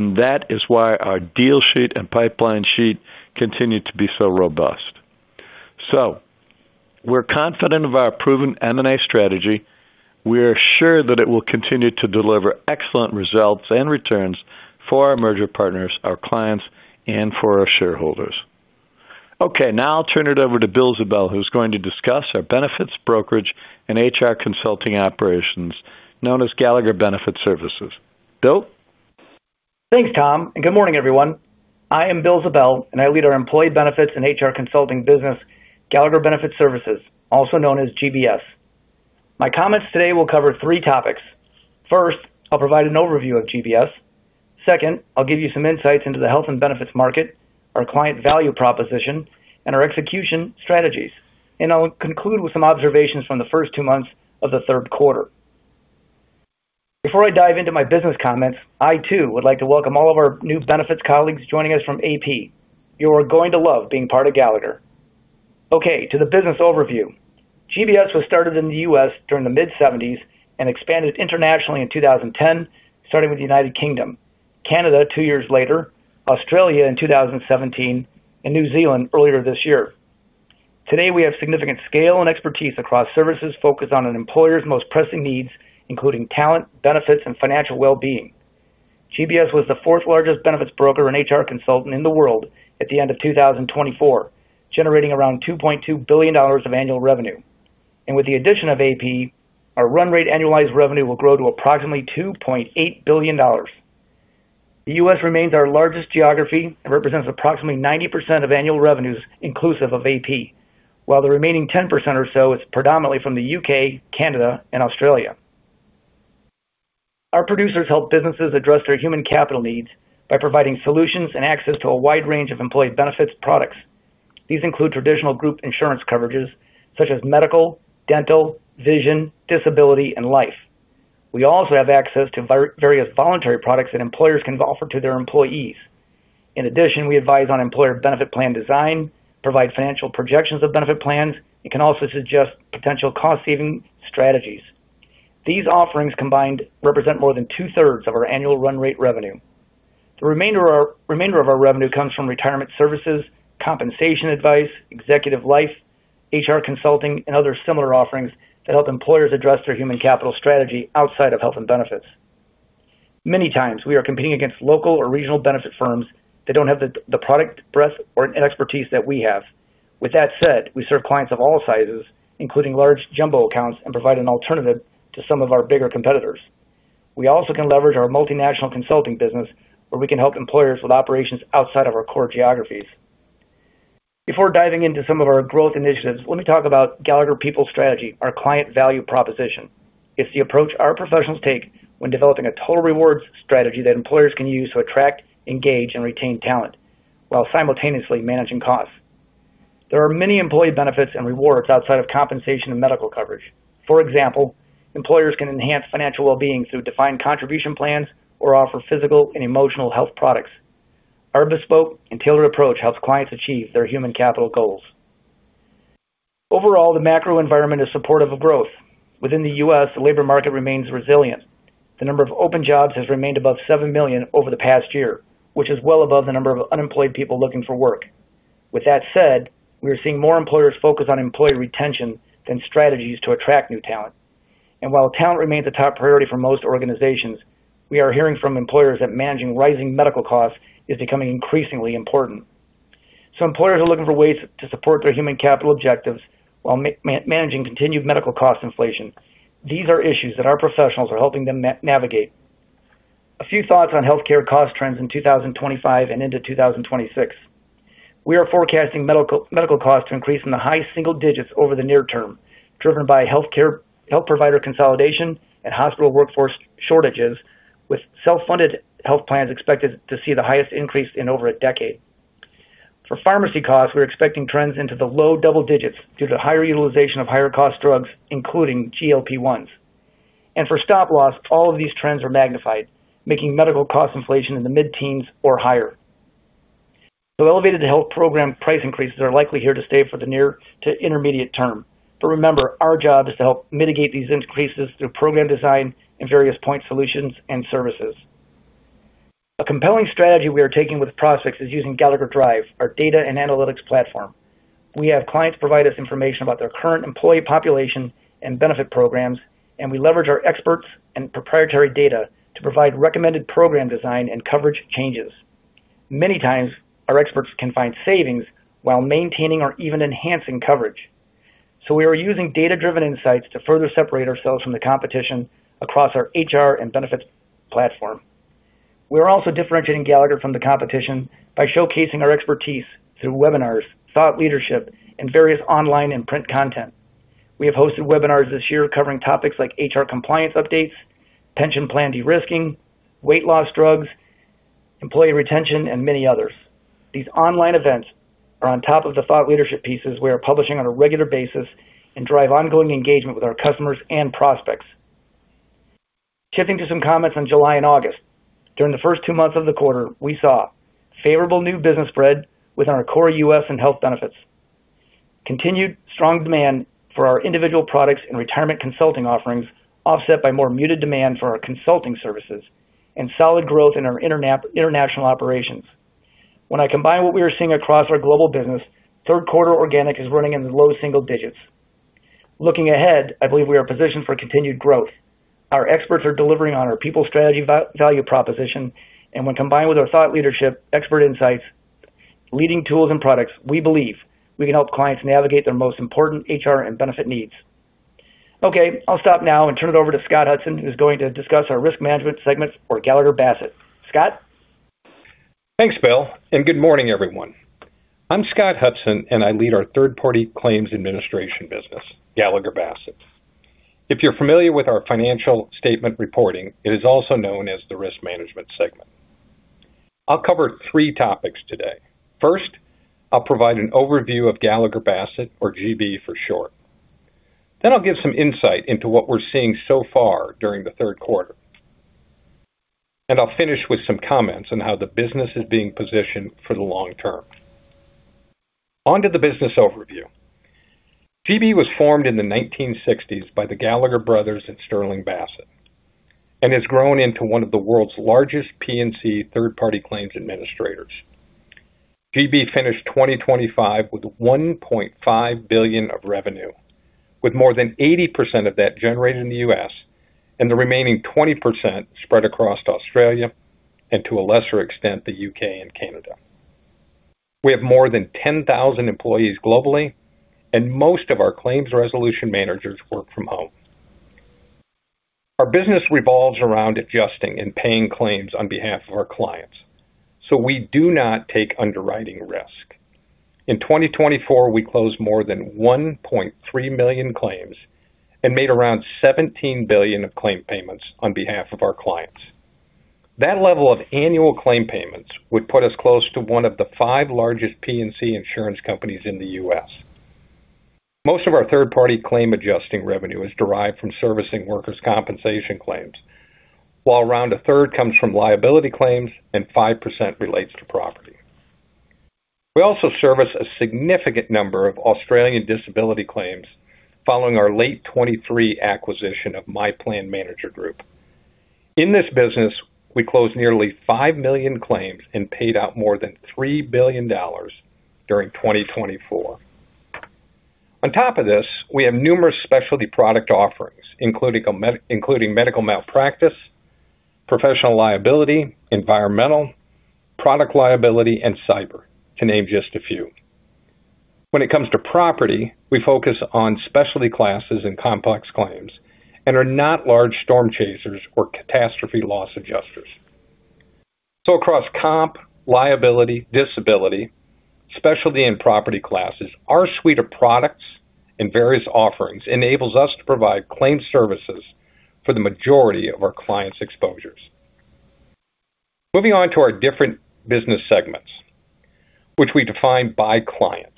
and that is why our deal sheet and pipeline sheet continue to be so robust. We are confident of our proven M&A strategy. We are sure that it will continue to deliver excellent results and returns for our merger partners, our clients, and for our shareholders. Now I'll turn it over to Bill Ziebell, who's going to discuss our benefits, brokerage, and HR consulting operations known as Gallagher Benefits Services. Bill? Thanks, Tom, and good morning, everyone. I am Bill Ziebell, and I lead our employee benefits and HR consulting business, Gallagher Benefits Services, also known as GBS. My comments today will cover three topics. First, I'll provide an overview of GBS. Second, I'll give you some insights into the health and benefits market, our client value proposition, and our execution strategies. I'll conclude with some observations from the first two months of the third quarter. Before I dive into my business comments, I too would like to welcome all of our new benefits colleagues joining us from AssuredPartners. You are going to love being part of Gallagher. Okay, to the business overview. GBS was started in the U.S. during the mid-1970s and expanded internationally in 2010, starting with the United Kingdom, Canada two years later, Australia in 2017, and New Zealand earlier this year. Today, we have significant scale and expertise across services focused on an employer's most pressing needs, including talent, benefits, and financial well-being. GBS was the fourth largest benefits broker and HR consultant in the world at the end of 2024, generating around $2.2 billion of annual revenue. With the addition of AssuredPartners, our run rate annualized revenue will grow to approximately $2.8 billion. The U.S. remains our largest geography and represents approximately 90% of annual revenues inclusive of AssuredPartners, while the remaining 10% or so is predominantly from the United Kingdom, Canada, and Australia. Our producers help businesses address their human capital needs by providing solutions and access to a wide range of employee benefits products. These include traditional group insurance coverages, such as medical, dental, vision, disability, and life. We also have access to various voluntary products that employers can offer to their employees. In addition, we advise on employer benefit plan design, provide financial projections of benefit plans, and can also suggest potential cost-saving strategies. These offerings combined represent more than two-thirds of our annual run rate revenue. The remainder of our revenue comes from retirement services, compensation advice, executive life, HR consulting, and other similar offerings that help employers address their human capital strategy outside of health and benefits. Many times, we are competing against local or regional benefit firms that don't have the product breadth or expertise that we have. With that said, we serve clients of all sizes, including large jumbo accounts, and provide an alternative to some of our bigger competitors. We also can leverage our multinational consulting business, where we can help employers with operations outside of our core geographies. Before diving into some of our growth initiatives, let me talk about Gallagher People's Strategy, our client value proposition. It's the approach our professionals take when developing a total rewards strategy that employers can use to attract, engage, and retain talent while simultaneously managing costs. There are many employee benefits and rewards outside of compensation and medical coverage. For example, employers can enhance financial well-being through defined contribution plans or offer physical and emotional health products. Our bespoke and tailored approach helps clients achieve their human capital goals. Overall, the macro environment is supportive of growth. Within the U.S., the labor market remains resilient. The number of open jobs has remained above 7 million over the past year, which is well above the number of unemployed people looking for work. We are seeing more employers focus on employee retention than strategies to attract new talent. While talent remains the top priority for most organizations, we are hearing from employers that managing rising medical costs is becoming increasingly important. Employers are looking for ways to support their human capital objectives while managing continued medical cost inflation. These are issues that our professionals are helping them navigate. A few thoughts on healthcare cost trends in 2025 and into 2026. We are forecasting medical costs to increase in the high single digits over the near term, driven by health provider consolidation and hospital workforce shortages, with self-funded health plans expected to see the highest increase in over a decade. For pharmacy costs, we're expecting trends into the low double digits due to higher utilization of higher cost drugs, including GLP-1s. For stop loss, all of these trends are magnified, making medical cost inflation in the mid-teens or higher. Elevated health program price increases are likely here to stay for the near to intermediate term. Remember, our job is to help mitigate these increases through program design and various point solutions and services. A compelling strategy we are taking with prospects is using Gallagher Drive, our data and analytics platform. We have clients provide us information about their current employee population and benefit programs, and we leverage our experts and proprietary data to provide recommended program design and coverage changes. Many times, our experts can find savings while maintaining or even enhancing coverage. We are using data-driven insights to further separate ourselves from the competition across our HR and benefits platform. We are also differentiating Gallagher from the competition by showcasing our expertise through webinars, thought leadership, and various online and print content. We have hosted webinars this year covering topics like HR compliance updates, pension plan de-risking, weight loss drugs, employee retention, and many others. These online events are on top of the thought leadership pieces we are publishing on a regular basis and drive ongoing engagement with our customers and prospects. Shifting to some comments on July and August. During the first two months of the quarter, we saw favorable new business spread within our core U.S. and health benefits, continued strong demand for our individual products and retirement consulting offerings, offset by more muted demand for our consulting services, and solid growth in our international operations. When I combine what we are seeing across our global business, third quarter organic is running in the low single digits. Looking ahead, I believe we are positioned for continued growth. Our experts are delivering on our people strategy value proposition, and when combined with our thought leadership, expert insights, leading tools, and products, we believe we can help clients navigate their most important HR and benefit needs. Okay, I'll stop now and turn it over to Scott Hudson, who's going to discuss our risk management segments for Gallagher Bassett. Scott? Thanks, Bill, and good morning, everyone. I'm Scott Hudson, and I lead our third-party claims administration business, Gallagher Bassett. If you're familiar with our financial statement reporting, it is also known as the risk management segment. I'll cover three topics today. First, I'll provide an overview of Gallagher Bassett, or GB for short. Then I'll give some insight into what we're seeing so far during the third quarter. I'll finish with some comments on how the business is being positioned for the long term. On to the business overview. GB was formed in the 1960s by the Gallagher brothers at Sterling Bassett and has grown into one of the world's largest P&C third-party claims administrators. GB finished 2025 with $1.5 billion of revenue, with more than 80% of that generated in the U.S., and the remaining 20% spread across Australia and, to a lesser extent, the U.K. and Canada. We have more than 10,000 employees globally, and most of our claims resolution managers work from home. Our business revolves around adjusting and paying claims on behalf of our clients, so we do not take underwriting risk. In 2024, we closed more than 1.3 million claims and made around $17 billion of claim payments on behalf of our clients. That level of annual claim payments would put us close to one of the five largest P&C insurance companies in the U.S. Most of our third-party claim adjusting revenue is derived from servicing workers' compensation claims, while around a third comes from liability claims and 5% relates to property. We also service a significant number of Australian disability claims following our late 2023 acquisition of My Plan Manager Group. In this business, we closed nearly 5 million claims and paid out more than $3 billion during 2024. On top of this, we have numerous specialty product offerings, including medical malpractice, professional liability, environmental, product liability, and cyber, to name just a few. When it comes to property, we focus on specialty classes and complex claims and are not large storm chasers or catastrophe loss adjusters. Across comp, liability, disability, specialty, and property classes, our suite of products and various offerings enables us to provide claim services for the majority of our clients' exposures. Moving on to our different business segments, which we define by client.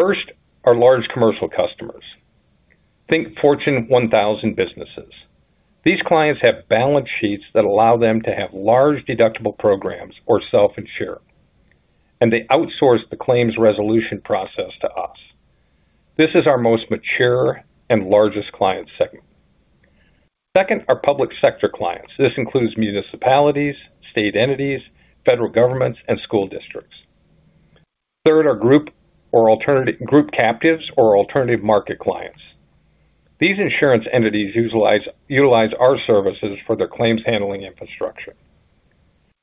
First, our large commercial customers. Think Fortune 1000 businesses. These clients have balance sheets that allow them to have large deductible programs or self-insure, and they outsource the claims resolution process to us. This is our most mature and largest client segment. Second, our public sector clients. This includes municipalities, state entities, federal governments, and school districts. Third, our group or alternative group captives or alternative market clients. These insurance entities utilize our services for their claims handling infrastructure.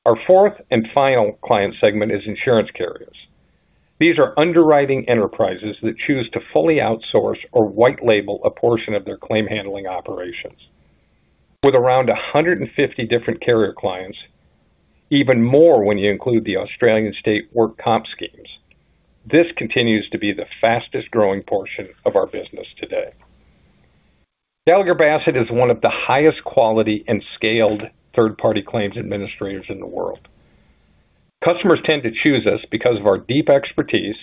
Our fourth and final client segment is insurance carriers. These are underwriting enterprises that choose to fully outsource or white label a portion of their claim handling operations. With around 150 different carrier clients, even more when you include the Australian state work comp schemes, this continues to be the fastest growing portion of our business today. Gallagher Bassett is one of the highest quality and scaled third-party claims administrators in the world. Customers tend to choose us because of our deep expertise,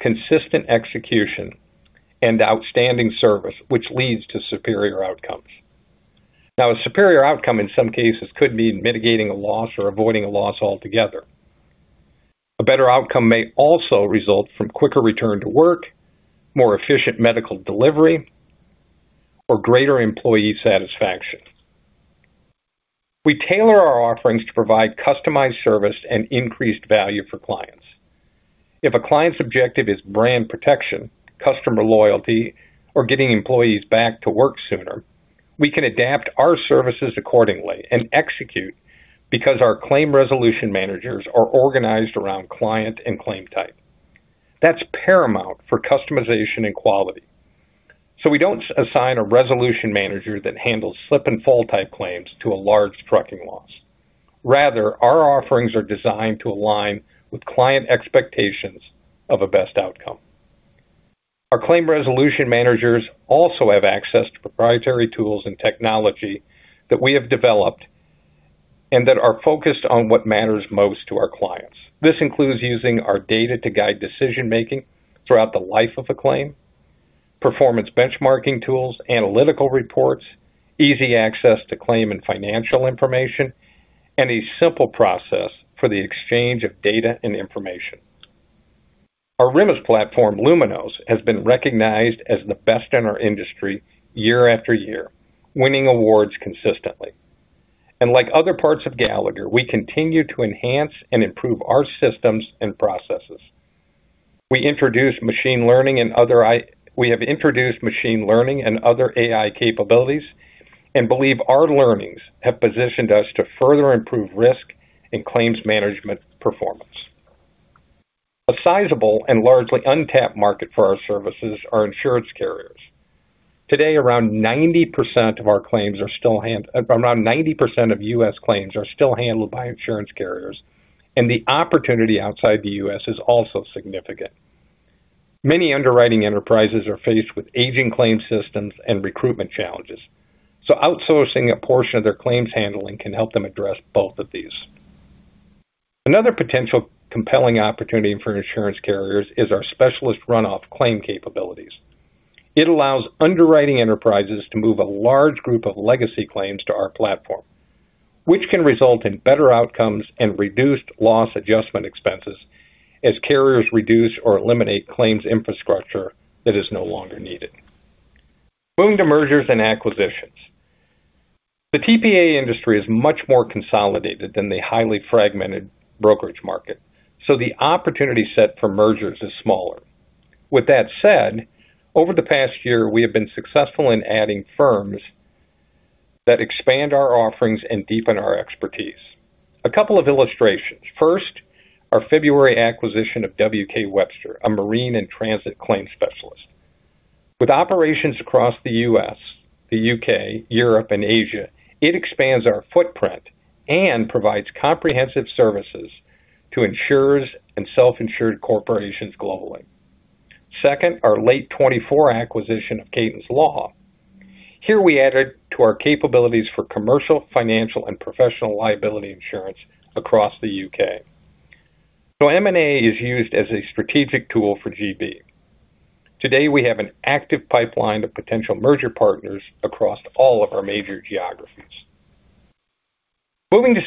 consistent execution, and outstanding service, which leads to superior outcomes. Now, a superior outcome in some cases could mean mitigating a loss or avoiding a loss altogether. A better outcome may also result from quicker return to work, more efficient medical delivery, or greater employee satisfaction. We tailor our offerings to provide customized service and increased value for clients. If a client's objective is brand protection, customer loyalty, or getting employees back to work sooner, we can adapt our services accordingly and execute because our claim resolution managers are organized around client and claim type. That is paramount for customization and quality. We do not assign a resolution manager that handles slip and fall type claims to a large trucking loss. Rather, our offerings are designed to align with client expectations of a best outcome. Our claim resolution managers also have access to proprietary tools and technology that we have developed and that are focused on what matters most to our clients. This includes using our data to guide decision-making throughout the life of a claim, performance benchmarking tools, analytical reports, easy access to claim and financial information, and a simple process for the exchange of data and information. Our RIMAS platform, Luminos, has been recognized as the best in our industry year after year, winning awards consistently. Like other parts of Gallagher, we continue to enhance and improve our systems and processes. We have introduced machine learning and other AI capabilities and believe our learnings have positioned us to further improve risk and claims management performance. A sizable and largely untapped market for our services are insurance carriers. Today, around 90% of our claims are still handled, around 90% of U.S. claims are still handled by insurance carriers, and the opportunity outside the U.S. is also significant. Many underwriting enterprises are faced with aging claim systems and recruitment challenges. Outsourcing a portion of their claims handling can help them address both of these. Another potential compelling opportunity for insurance carriers is our specialist runoff claim capabilities. It allows underwriting enterprises to move a large group of legacy claims to our platform, which can result in better outcomes and reduced loss adjustment expenses as carriers reduce or eliminate claims infrastructure that is no longer needed. Moving to mergers and acquisitions. The TPA industry is much more consolidated than the highly fragmented brokerage market, so the opportunity set for mergers is smaller. With that said, over the past year, we have been successful in adding firms that expand our offerings and deepen our expertise. A couple of illustrations. First, our February acquisition of W.K. Webster, a marine and transit claim specialist. With operations across the U.S., the UK, Europe, and Asia, it expands our footprint and provides comprehensive services to insurers and self-insured corporations globally. Second, our late 2024 acquisition of Catons Law. Here, we added to our capabilities for commercial, financial, and professional liability insurance across the UK. M&A is used as a strategic tool for GB. Today, we have an active pipeline of potential merger partners across all of our major geographies. Moving to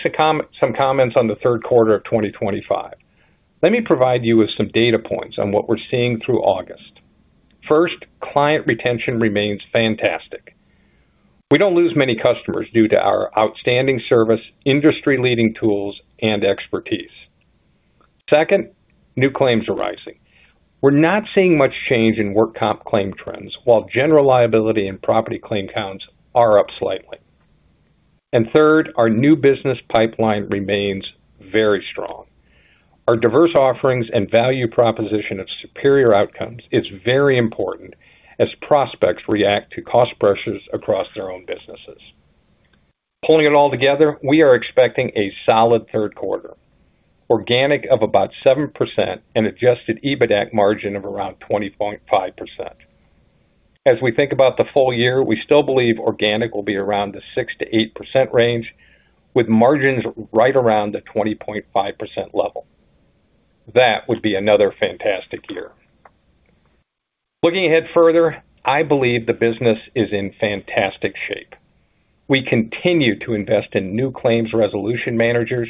some comments on the third quarter of 2025, let me provide you with some data points on what we're seeing through August. First, client retention remains fantastic. We don't lose many customers due to our outstanding service, industry-leading tools, and expertise. New claims are rising. We're not seeing much change in work comp claim trends, while general liability and property claim counts are up slightly. Our new business pipeline remains very strong. Our diverse offerings and value proposition of superior outcomes are very important as prospects react to cost pressures across their own businesses. Pulling it all together, we are expecting a solid third quarter, organic of about 7% and adjusted EBITDA margin of around 20.5%. As we think about the full year, we still believe organic will be around the 6 to 8% range, with margins right around the 20.5% level. That would be another fantastic year. Looking ahead further, I believe the business is in fantastic shape. We continue to invest in new claims resolution managers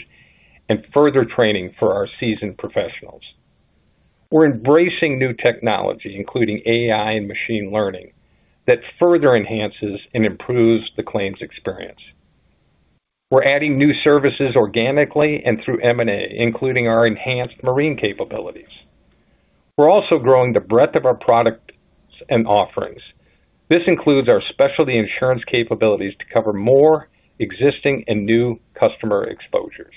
and further training for our seasoned professionals. We're embracing new technology, including AI and machine learning, that further enhances and improves the claims experience. We're adding new services organically and through M&A, including our enhanced marine capabilities. We're also growing the breadth of our products and offerings. This includes our specialty insurance capabilities to cover more existing and new customer exposures.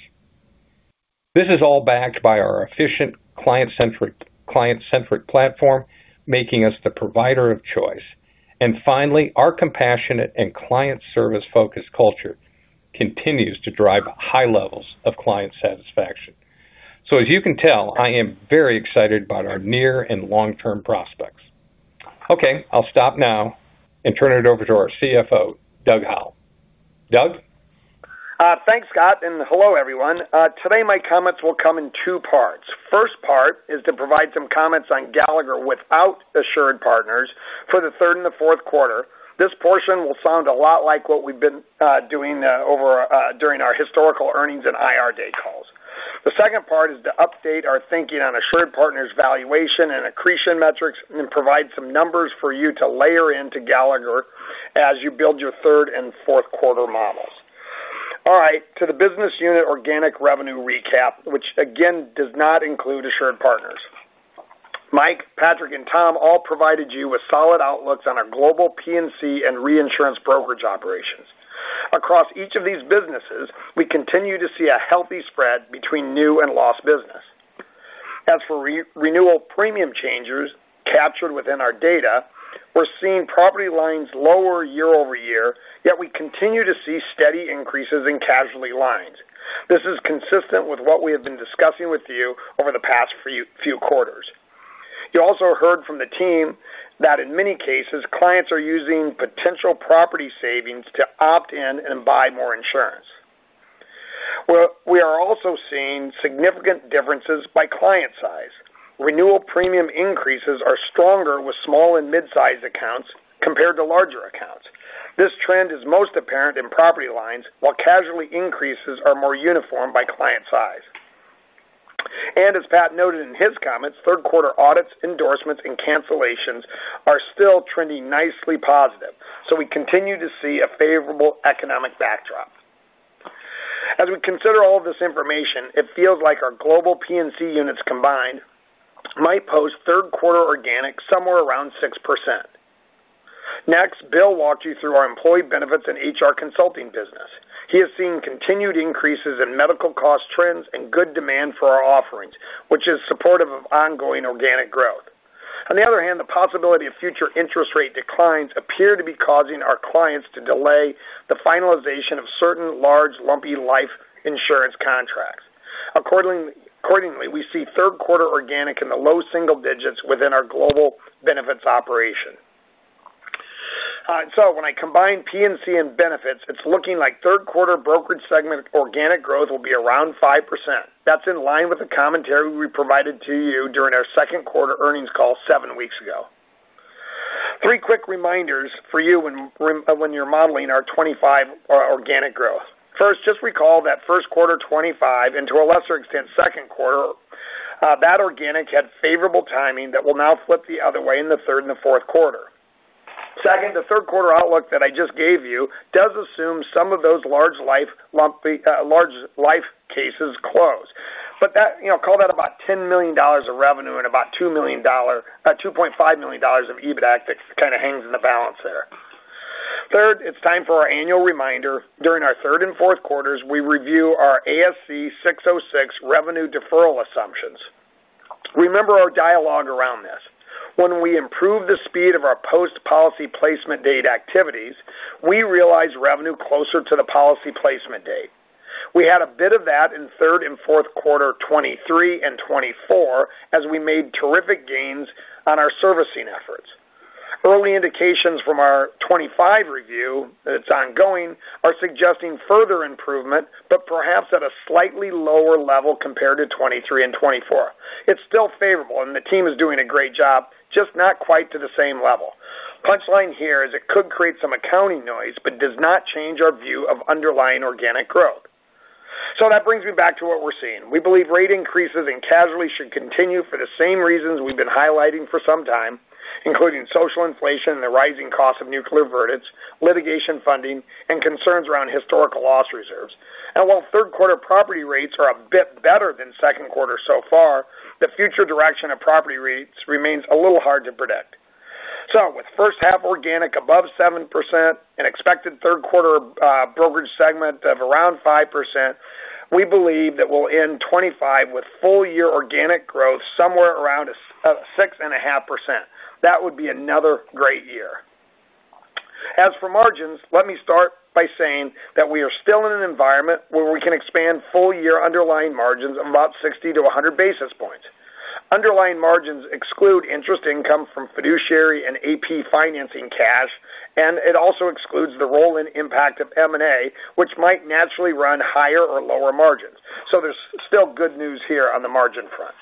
This is all backed by our efficient client-centric platform, making us the provider of choice. Finally, our compassionate and client service-focused culture continues to drive high levels of client satisfaction. As you can tell, I am very excited about our near and long-term prospects. I'll stop now and turn it over to our CFO, Doug Howell. Doug? Thanks, Scott, and hello, everyone. Today, my comments will come in two parts. The first part is to provide some comments on Gallagher without AssuredPartners for the third and the fourth quarter. This portion will sound a lot like what we've been doing during our historical earnings and IR day calls. The second part is to update our thinking on AssuredPartners' valuation and accretion metrics and then provide some numbers for you to layer into Gallagher as you build your third and fourth quarter models. All right, to the business unit organic revenue recap, which again does not include AssuredPartners. Mike, Patrick, and Tom all provided you with solid outlooks on our global P&C and reinsurance brokerage operations. Across each of these businesses, we continue to see a healthy spread between new and lost business. As for renewal premium changes captured within our data, we're seeing property lines lower year over year, yet we continue to see steady increases in casualty lines. This is consistent with what we have been discussing with you over the past few quarters. You also heard from the team that in many cases, clients are using potential property savings to opt in and buy more insurance. We are also seeing significant differences by client size. Renewal premium increases are stronger with small and mid-sized accounts compared to larger accounts. This trend is most apparent in property lines, while casualty increases are more uniform by client size. As Pat noted in his comments, third quarter audits, endorsements, and cancellations are still trending nicely positive, so we continue to see a favorable economic backdrop. As we consider all of this information, it feels like our global P&C units combined might post third quarter organic somewhere around 6%. Next, Bill walked you through our employee benefits and HR consulting business. He has seen continued increases in medical cost trends and good demand for our offerings, which is supportive of ongoing organic growth. On the other hand, the possibility of future interest rate declines appears to be causing our clients to delay the finalization of certain large, lumpy life insurance contracts. Accordingly, we see third quarter organic in the low single digits within our global benefits operation. When I combine P&C and benefits, it's looking like third quarter brokerage segment organic growth will be around 5%. That's in line with the commentary we provided to you during our second quarter earnings call seven weeks ago. Three quick reminders for you when you're modeling our '25 organic growth. First, just recall that first quarter '25 and to a lesser extent second quarter, bad organic had favorable timing that will now flip the other way in the third and the fourth quarter. Second, the third quarter outlook that I just gave you does assume some of those large life cases close. Call that about $10 million of revenue and about $2 million, $2.5 million of EBITDA that kind of hangs in the balance there. Third, it's time for our annual reminder. During our third and fourth quarters, we review our ASC 606 revenue deferral assumptions. Remember our dialogue around this. When we improve the speed of our post-policy placement date activities, we realize revenue closer to the policy placement date. We had a bit of that in third and fourth quarter 2023 and 2024 as we made terrific gains on our servicing efforts. Early indications from our 2025 review that's ongoing are suggesting further improvement, but perhaps at a slightly lower level compared to 2023 and 2024. It's still favorable, and the team is doing a great job, just not quite to the same level. The punchline here is it could create some accounting noise, but does not change our view of underlying organic growth. That brings me back to what we're seeing. We believe rate increases in casualty should continue for the same reasons we've been highlighting for some time, including social inflation and the rising cost of nuclear verdicts, litigation funding, and concerns around historical loss reserves. While third quarter property rates are a bit better than second quarter so far, the future direction of property rates remains a little hard to predict. With first half organic above 7% and expected third quarter brokerage segment of around 5%, we believe that we'll end 2025 with full-year organic growth somewhere around 6.5%. That would be another great year. As for margins, let me start by saying that we are still in an environment where we can expand full-year underlying margins of about 60 to 100 basis points. Underlying margins exclude interest income from fiduciary and AP financing cash, and it also excludes the roll-in impact of M&A, which might naturally run higher or lower margins. There's still good news here on the margin front.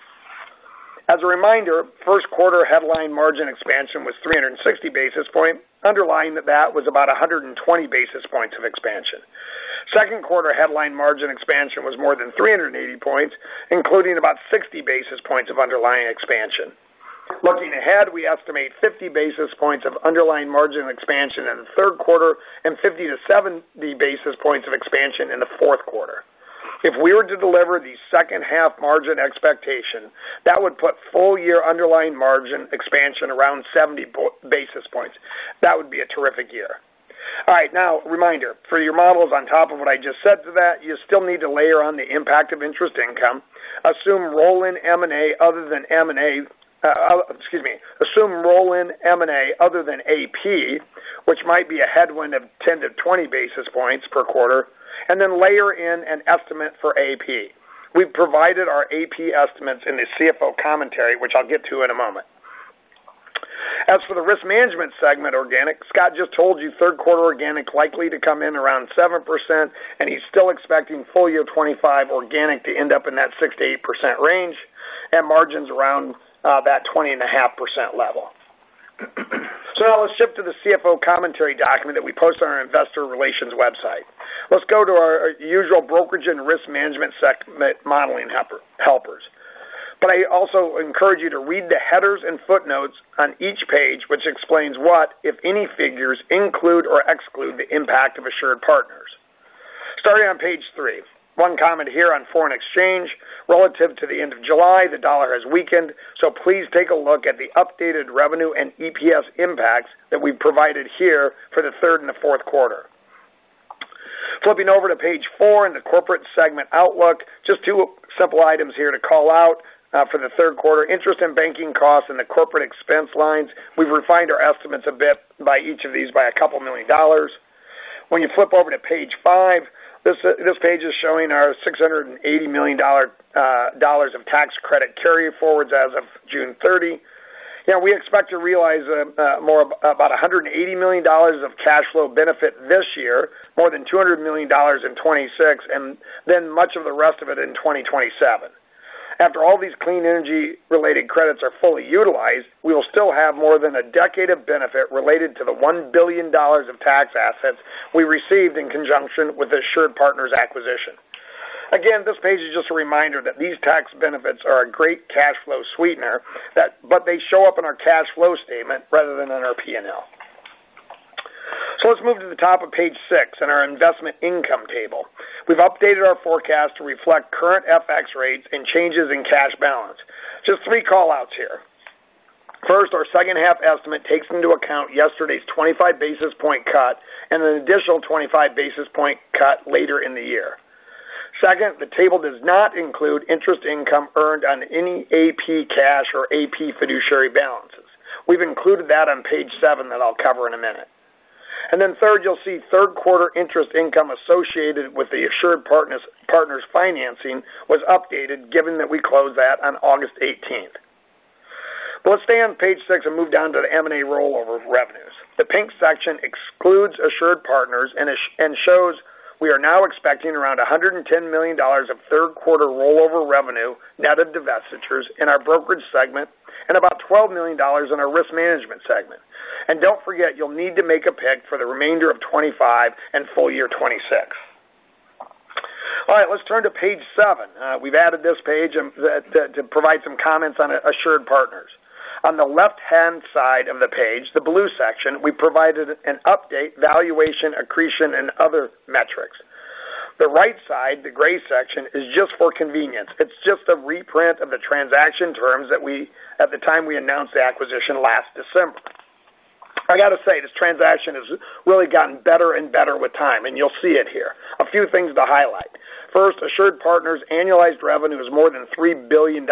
As a reminder, first quarter headline margin expansion was 360 basis points. Underlying that was about 120 basis points of expansion. Second quarter headline margin expansion was more than 380 basis points, including about 60 basis points of underlying expansion. Looking ahead, we estimate 50 basis points of underlying margin expansion in the third quarter and 50 to 70 basis points of expansion in the fourth quarter. If we were to deliver the second half margin expectation, that would put full-year underlying margin expansion around 70 basis points. That would be a terrific year. All right. Now, reminder, for your models on top of what I just said to that, you still need to layer on the impact of interest income, assume roll-in M&A other than M&A, excuse me, assume roll-in M&A other than AP, which might be a headwind of 10 to 20 basis points per quarter, and then layer in an estimate for AP. We've provided our AP estimates in the CFO commentary, which I'll get to in a moment. As for the risk management segment, organic, Scott just told you third quarter organic likely to come in around 7%, and he's still expecting full year 2025 organic to end up in that 6% to 8% range and margins around that 20.5% level. Now let's shift to the CFO commentary document that we posted on our investor relations website. Let's go to our usual brokerage and risk management modeling helpers. I also encourage you to read the headers and footnotes on each page, which explains what, if any, figures include or exclude the impact of AssuredPartners. Starting on page three, one comment here on foreign exchange. Relative to the end of July, the dollar has weakened, so please take a look at the updated revenue and EPS impacts that we've provided here for the third and the fourth quarter. Flipping over to page four in the corporate segment outlook, just two simple items here to call out for the third quarter: interest and banking costs and the corporate expense lines. We've refined our estimates a bit by each of these by a couple million dollars. When you flip over to page five, this page is showing our $680 million of tax credit carry forwards as of June 30. Now, we expect to realize more, about $180 million of cash flow benefit this year, more than $200 million in 2026, and then much of the rest of it in 2027. After all these clean energy-related credits are fully utilized, we will still have more than a decade of benefit related to the $1 billion of tax assets we received in conjunction with the AssuredPartners acquisition. Again, this page is just a reminder that these tax benefits are a great cash flow sweetener, but they show up in our cash flow statement rather than in our P&L. Let's move to the top of page six in our investment income table. We've updated our forecast to reflect current FX rates and changes in cash balance. Just three callouts here. First, our second half estimate takes into account yesterday's 25 basis point cut and an additional 25 basis point cut later in the year. Second, the table does not include interest income earned on any AP cash or AP fiduciary balances. We've included that on page seven that I'll cover in a minute. Third, you'll see third quarter interest income associated with the AssuredPartners financing was updated, given that we closed that on August 18th. Let's stay on page six and move down to the M&A rollover revenues. The pink section excludes AssuredPartners and shows we are now expecting around $110 million of third quarter rollover revenue netted divestitures in our brokerage segment and about $12 million in our risk management segment. Don't forget, you'll need to make a pick for the remainder of 2025 and full year 2026. All right, let's turn to page seven. We've added this page to provide some comments on AssuredPartners. On the left-hand side of the page, the blue section, we provided an update valuation, accretion, and other metrics. The right side, the gray section, is just for convenience. It's just a reprint of the transaction terms that we, at the time we announced the acquisition last December. I got to say, this transaction has really gotten better and better with time, and you'll see it here. A few things to highlight. First, AssuredPartners' annualized revenue is more than $3 billion.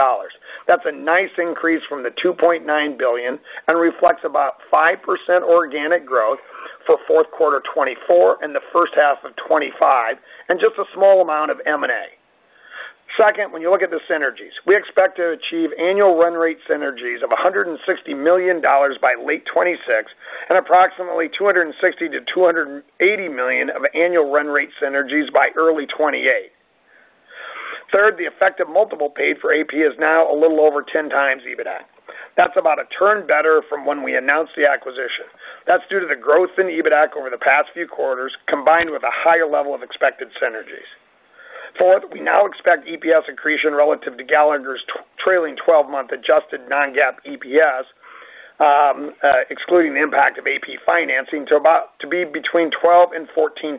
That's a nice increase from the $2.9 billion and reflects about 5% organic growth for fourth quarter 2024 and the first half of 2025, and just a small amount of M&A. Second, when you look at the synergies, we expect to achieve annual run rate synergies of $160 million by late 2026 and approximately $260 to $280 million of annual run rate synergies by early 2028. Third, the effective multiple paid for AP is now a little over 10 times EBITDA. That's about a turn better from when we announced the acquisition. That's due to the growth in EBITDA over the past few quarters, combined with a higher level of expected synergies. Fourth, we now expect EPS accretion relative to Gallagher's trailing 12-month adjusted non-GAAP EPS, excluding the impact of AP financing, to be between 12% and 14%.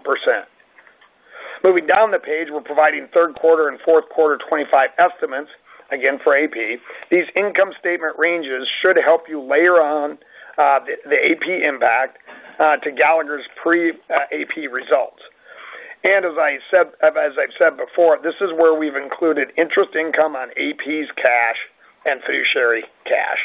Moving down the page, we're providing third quarter and fourth quarter 2025 estimates, again for AP. These income statement ranges should help you layer on the AP impact to Gallagher's pre-AP results. As I've said before, this is where we've included interest income on AP's cash and fiduciary cash.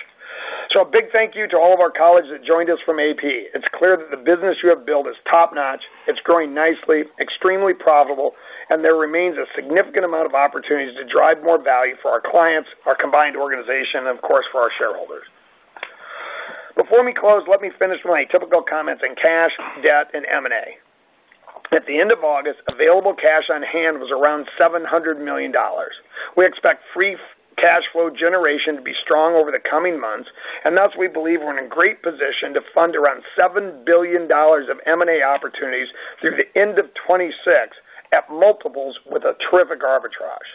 A big thank you to all of our colleagues that joined us from AP. It's clear that the business you have built is top-notch. It's growing nicely, extremely profitable, and there remains a significant amount of opportunities to drive more value for our clients, our combined organization, and of course, for our shareholders. Before we close, let me finish with my typical comments on cash, debt, and M&A. At the end of August, available cash on hand was around $700 million. We expect free cash flow generation to be strong over the coming months, and thus, we believe we're in a great position to fund around $7 billion of M&A opportunities through the end of 2026 at multiples with a terrific arbitrage.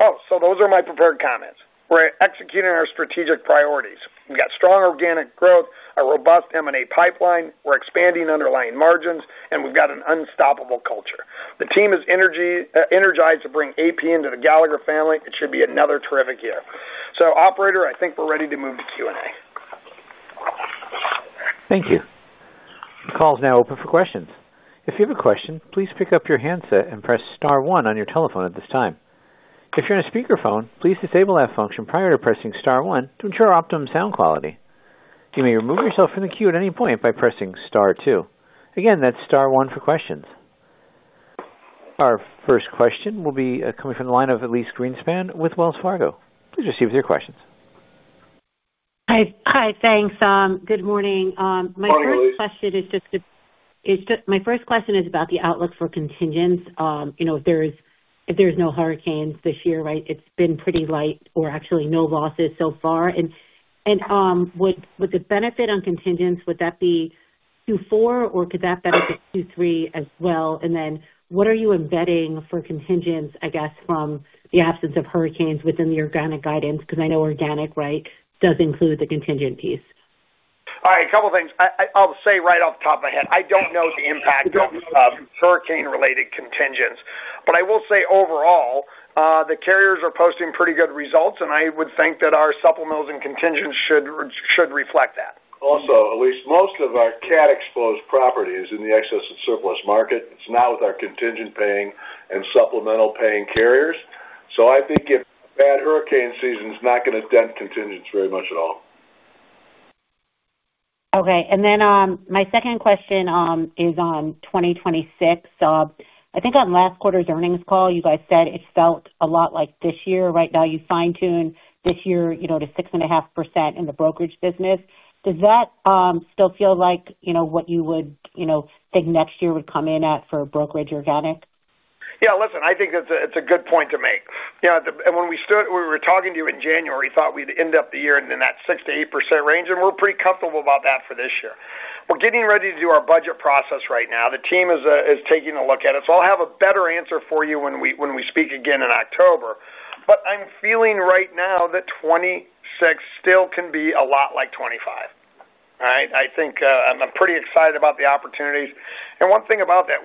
Those are my prepared comments. We're executing our strategic priorities. We've got strong organic growth, a robust M&A pipeline, we're expanding underlying margins, and we've got an unstoppable culture. The team is energized to bring AssuredPartners into the Gallagher family. It should be another terrific year. Operator, I think we're ready to move to Q&A. Thank you. The call is now open for questions. If you have a question, please pick up your handset and press star one on your telephone at this time. If you're on a speakerphone, please disable that function prior to pressing star one to ensure optimum sound quality. You may remove yourself from the queue at any point by pressing star two. Again, that's star one for questions. Our first question will be coming from the line of Elise Greenspan with Wells Fargo. Please proceed with your questions. Hi, thanks. Good morning. My first question is about the outlook for contingents. If there's no hurricanes this year, right, it's been pretty light or actually no losses so far. Would the benefit on contingents be Q4 or could that benefit Q3 as well? What are you embedding for contingents, I guess, from the absence of hurricanes within the organic guidance? I know organic, right, does include the contingent piece. All right. A couple of things. I'll say right off the top of my head, I don't know the impact of hurricane-related contingents, but I will say overall, the carriers are posting pretty good results, and I would think that our supplementals and contingents should reflect that. Also, Elise, most of our CAT-exposed property is in the excess and surplus market. It's not with our contingent paying and supplemental paying carriers. I think bad hurricane season is not going to dent contingents very much at all. Okay. My second question is on 2026. I think on last quarter's earnings call, you guys said it felt a lot like this year, right? Now you fine-tune this year to 6.5% in the brokerage business. Does that still feel like what you would think next year would come in at for brokerage organic? Yeah, I think that's a good point to make. When we started, we were talking to you in January, thought we'd end up the year in that 6% to 8% range, and we're pretty comfortable about that for this year. We're getting ready to do our budget process right now. The team is taking a look at it. I'll have a better answer for you when we speak again in October. I'm feeling right now that 2026 still can be a lot like 2025, all right? I think I'm pretty excited about the opportunities. One thing about that,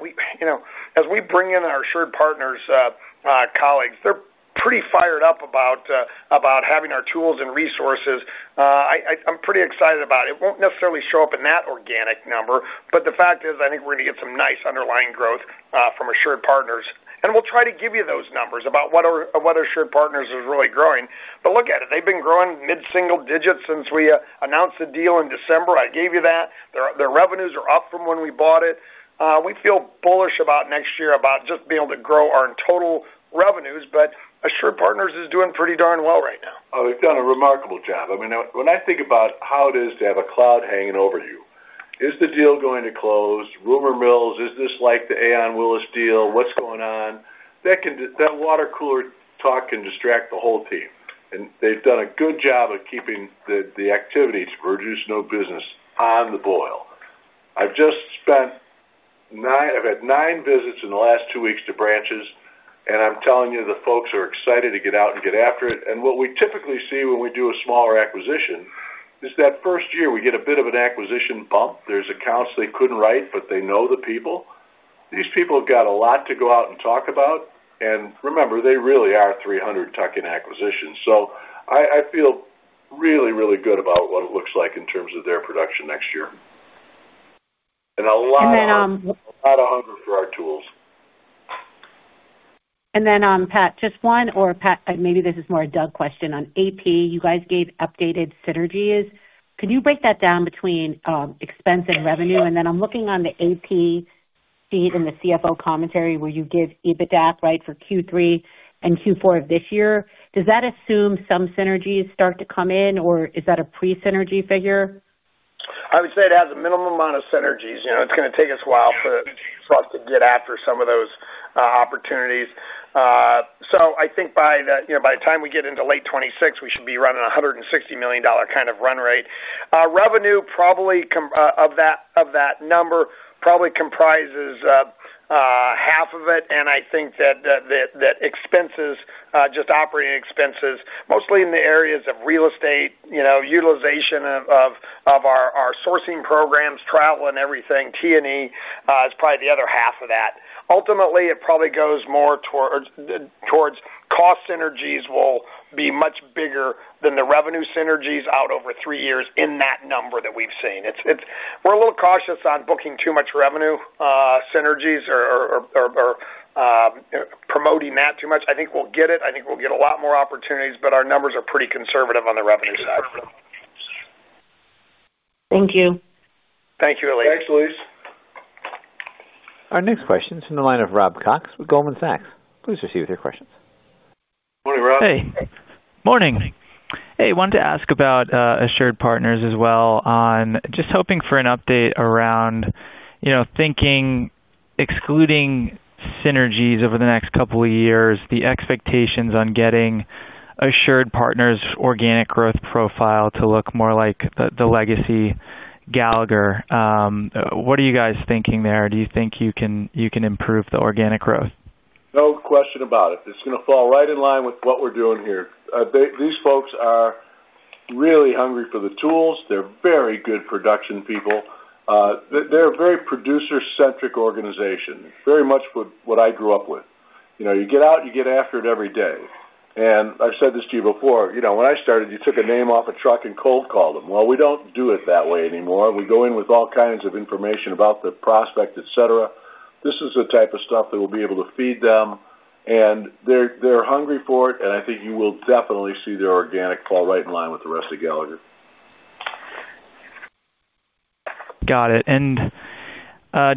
as we bring in our AssuredPartners colleagues, they're pretty fired up about having our tools and resources. I'm pretty excited about it. It won't necessarily show up in that organic number, but the fact is I think we're going to get some nice underlying growth from AssuredPartners. We'll try to give you those numbers about what AssuredPartners is really growing. Look at it. They've been growing mid-single digits since we announced the deal in December. I gave you that. Their revenues are up from when we bought it. We feel bullish about next year about just being able to grow our total revenues, but AssuredPartners is doing pretty darn well right now. Oh, they've done a remarkable job. I mean, when I think about how it is to have a cloud hanging over you, is the deal going to close? Rumor mills, is this like the Aon Willis deal? What's going on? That water cooler talk can distract the whole team. They've done a good job of keeping the activities produced, no business on the boil. I've just spent nine, I've had nine visits in the last two weeks to branches, and I'm telling you the folks are excited to get out and get after it. What we typically see when we do a smaller acquisition is that first year we get a bit of an acquisition bump. There's accounts they couldn't write, but they know the people. These people have got a lot to go out and talk about. Remember, they really are 300-tucking acquisitions. I feel really, really good about what it looks like in terms of their production next year. A lot of hunger for our tools. Pat, just one or Pat, maybe this is more a Doug question on AP. You guys gave updated synergies. Could you break that down between expense and revenue? I'm looking on the AP feed in the CFO commentary where you give EBITDA, right, for Q3 and Q4 of this year. Does that assume some synergies start to come in, or is that a pre-synergy figure? I would say it has a minimum amount of synergies. It's going to take us a while for us to get after some of those opportunities. I think by the time we get into late 2026, we should be running $160 million kind of run rate. Revenue probably of that number probably comprises half of it. I think that expenses, just operating expenses, mostly in the areas of real estate, utilization of our sourcing programs, travel, and everything, T&E is probably the other half of that. Ultimately, it probably goes more towards cost synergies, which will be much bigger than the revenue synergies out over three years in that number that we've seen. We're a little cautious on booking too much revenue synergies or promoting that too much. I think we'll get it. I think we'll get a lot more opportunities, but our numbers are pretty conservative on the revenue side for them. Thank you. Thank you, Elise. Thanks, Elise. Our next question is from the line of Rob Cox with Goldman Sachs. Please proceed with your questions. Morning, Rob. Hey. Morning. Hey. Hey, wanted to ask about AssuredPartners as well. Just hoping for an update around, you know, thinking excluding synergies over the next couple of years, the expectations on getting AssuredPartners' organic growth profile to look more like the legacy Gallagher. What are you guys thinking there? Do you think you can improve the organic growth? No question about it. It's going to fall right in line with what we're doing here. These folks are really hungry for the tools. They're very good production people. They're a very producer-centric organization, very much what I grew up with. You get out, you get after it every day. I've said this to you before. When I started, you took a name off a truck and cold called them. We don't do it that way anymore. We go in with all kinds of information about the prospect, etc. This is the type of stuff that we'll be able to feed them. They're hungry for it. I think you will definitely see their organic fall right in line with the rest of Gallagher. Got it.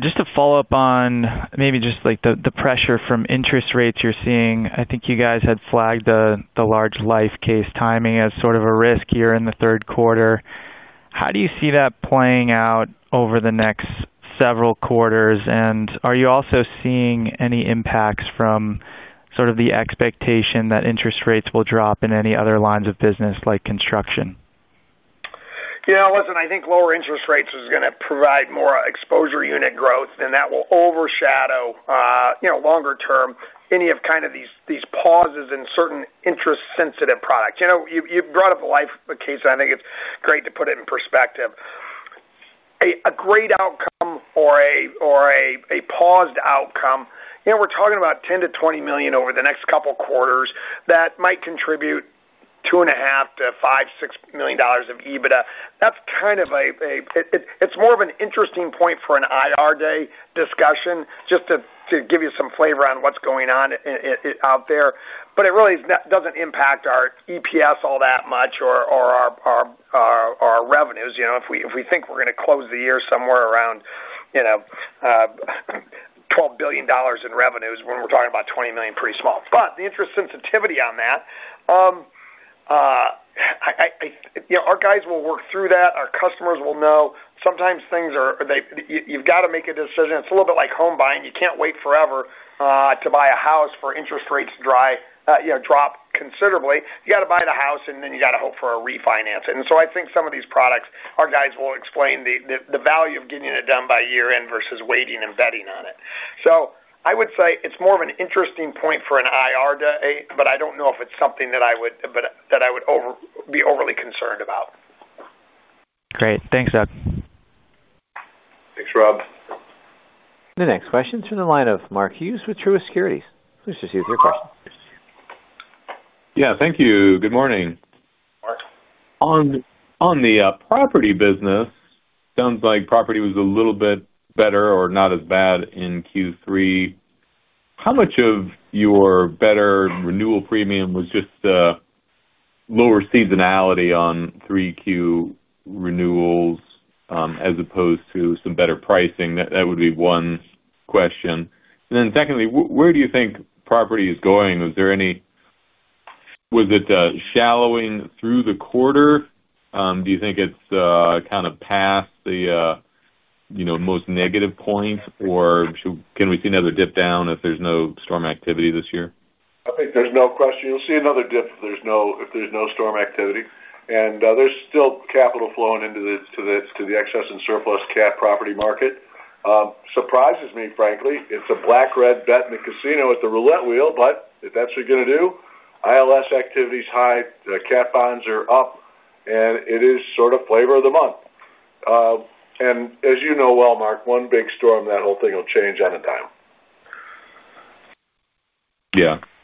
Just to follow up on maybe just like the pressure from interest rates you're seeing, I think you guys had flagged the large life case timing as sort of a risk here in the third quarter. How do you see that playing out over the next several quarters? Are you also seeing any impacts from sort of the expectation that interest rates will drop in any other lines of business like construction? Listen, I think lower interest rates are going to provide more exposure unit growth, and that will overshadow, you know, longer-term any of kind of these pauses in certain interest-sensitive products. You know, you brought up a life case, and I think it's great to put it in perspective. A great outcome or a paused outcome, you know, we're talking about $10 million to $20 million over the next couple of quarters that might contribute $2.5 million to $5 million, $6 million of EBITDA. That's kind of a, it's more of an interesting point for an IRA discussion just to give you some flavor on what's going on out there. It really doesn't impact our EPS all that much or our revenues. You know, if we think we're going to close the year somewhere around, you know, $12 billion in revenues when we're talking about $20 million, pretty small. The interest sensitivity on that, you know, our guys will work through that. Our customers will know. Sometimes things are, you've got to make a decision. It's a little bit like home buying. You can't wait forever to buy a house for interest rates to drop considerably. You got to buy the house, and then you got to hope for a refinance. I think some of these products, our guys will explain the value of getting it done by year-end versus waiting and betting on it. I would say it's more of an interesting point for an IRA, but I don't know if it's something that I would be overly concerned about. Great. Thanks, Doug. Thanks, Rob. The next question is from the line of Mark Hughes with Truist Securities. Please proceed with your questions. Yeah, thank you. Good morning. On the property business, it sounds like property was a little bit better or not as bad in Q3. How much of your better renewal premium was just a lower seasonality on Q3 renewals as opposed to some better pricing? That would be one question. Secondly, where do you think property is going? Was it shallowing through the quarter? Do you think it's kind of past the most negative point, or can we see another dip down if there's no storm activity this year? I think there's no question. You'll see another dip if there's no storm activity. There's still capital flowing into the excess and surplus CAT property market. Surprises me, frankly. It's a black-red bet in the casino with the roulette wheel, but if that's what you're going to do, ILS activity is high, CAT bonds are up, and it is sort of flavor of the month. As you know well, Mark, one big storm, that whole thing will change on a dime.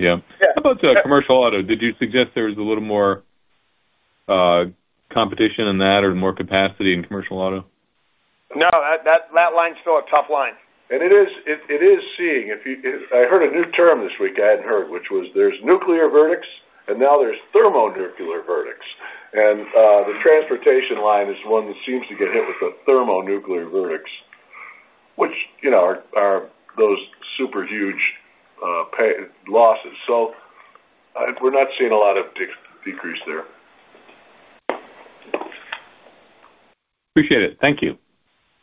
Yeah. How about commercial auto? Did you suggest there was a little more competition in that or more capacity in commercial auto? No, that line's still a tough line. It is seeing. I heard a new term this week I hadn't heard, which was there's nuclear verdicts, and now there's thermonuclear verdicts. The transportation line is the one that seems to get hit with the thermonuclear verdicts, which, you know, are those super huge losses. We're not seeing a lot of decrease there. Appreciate it. Thank you.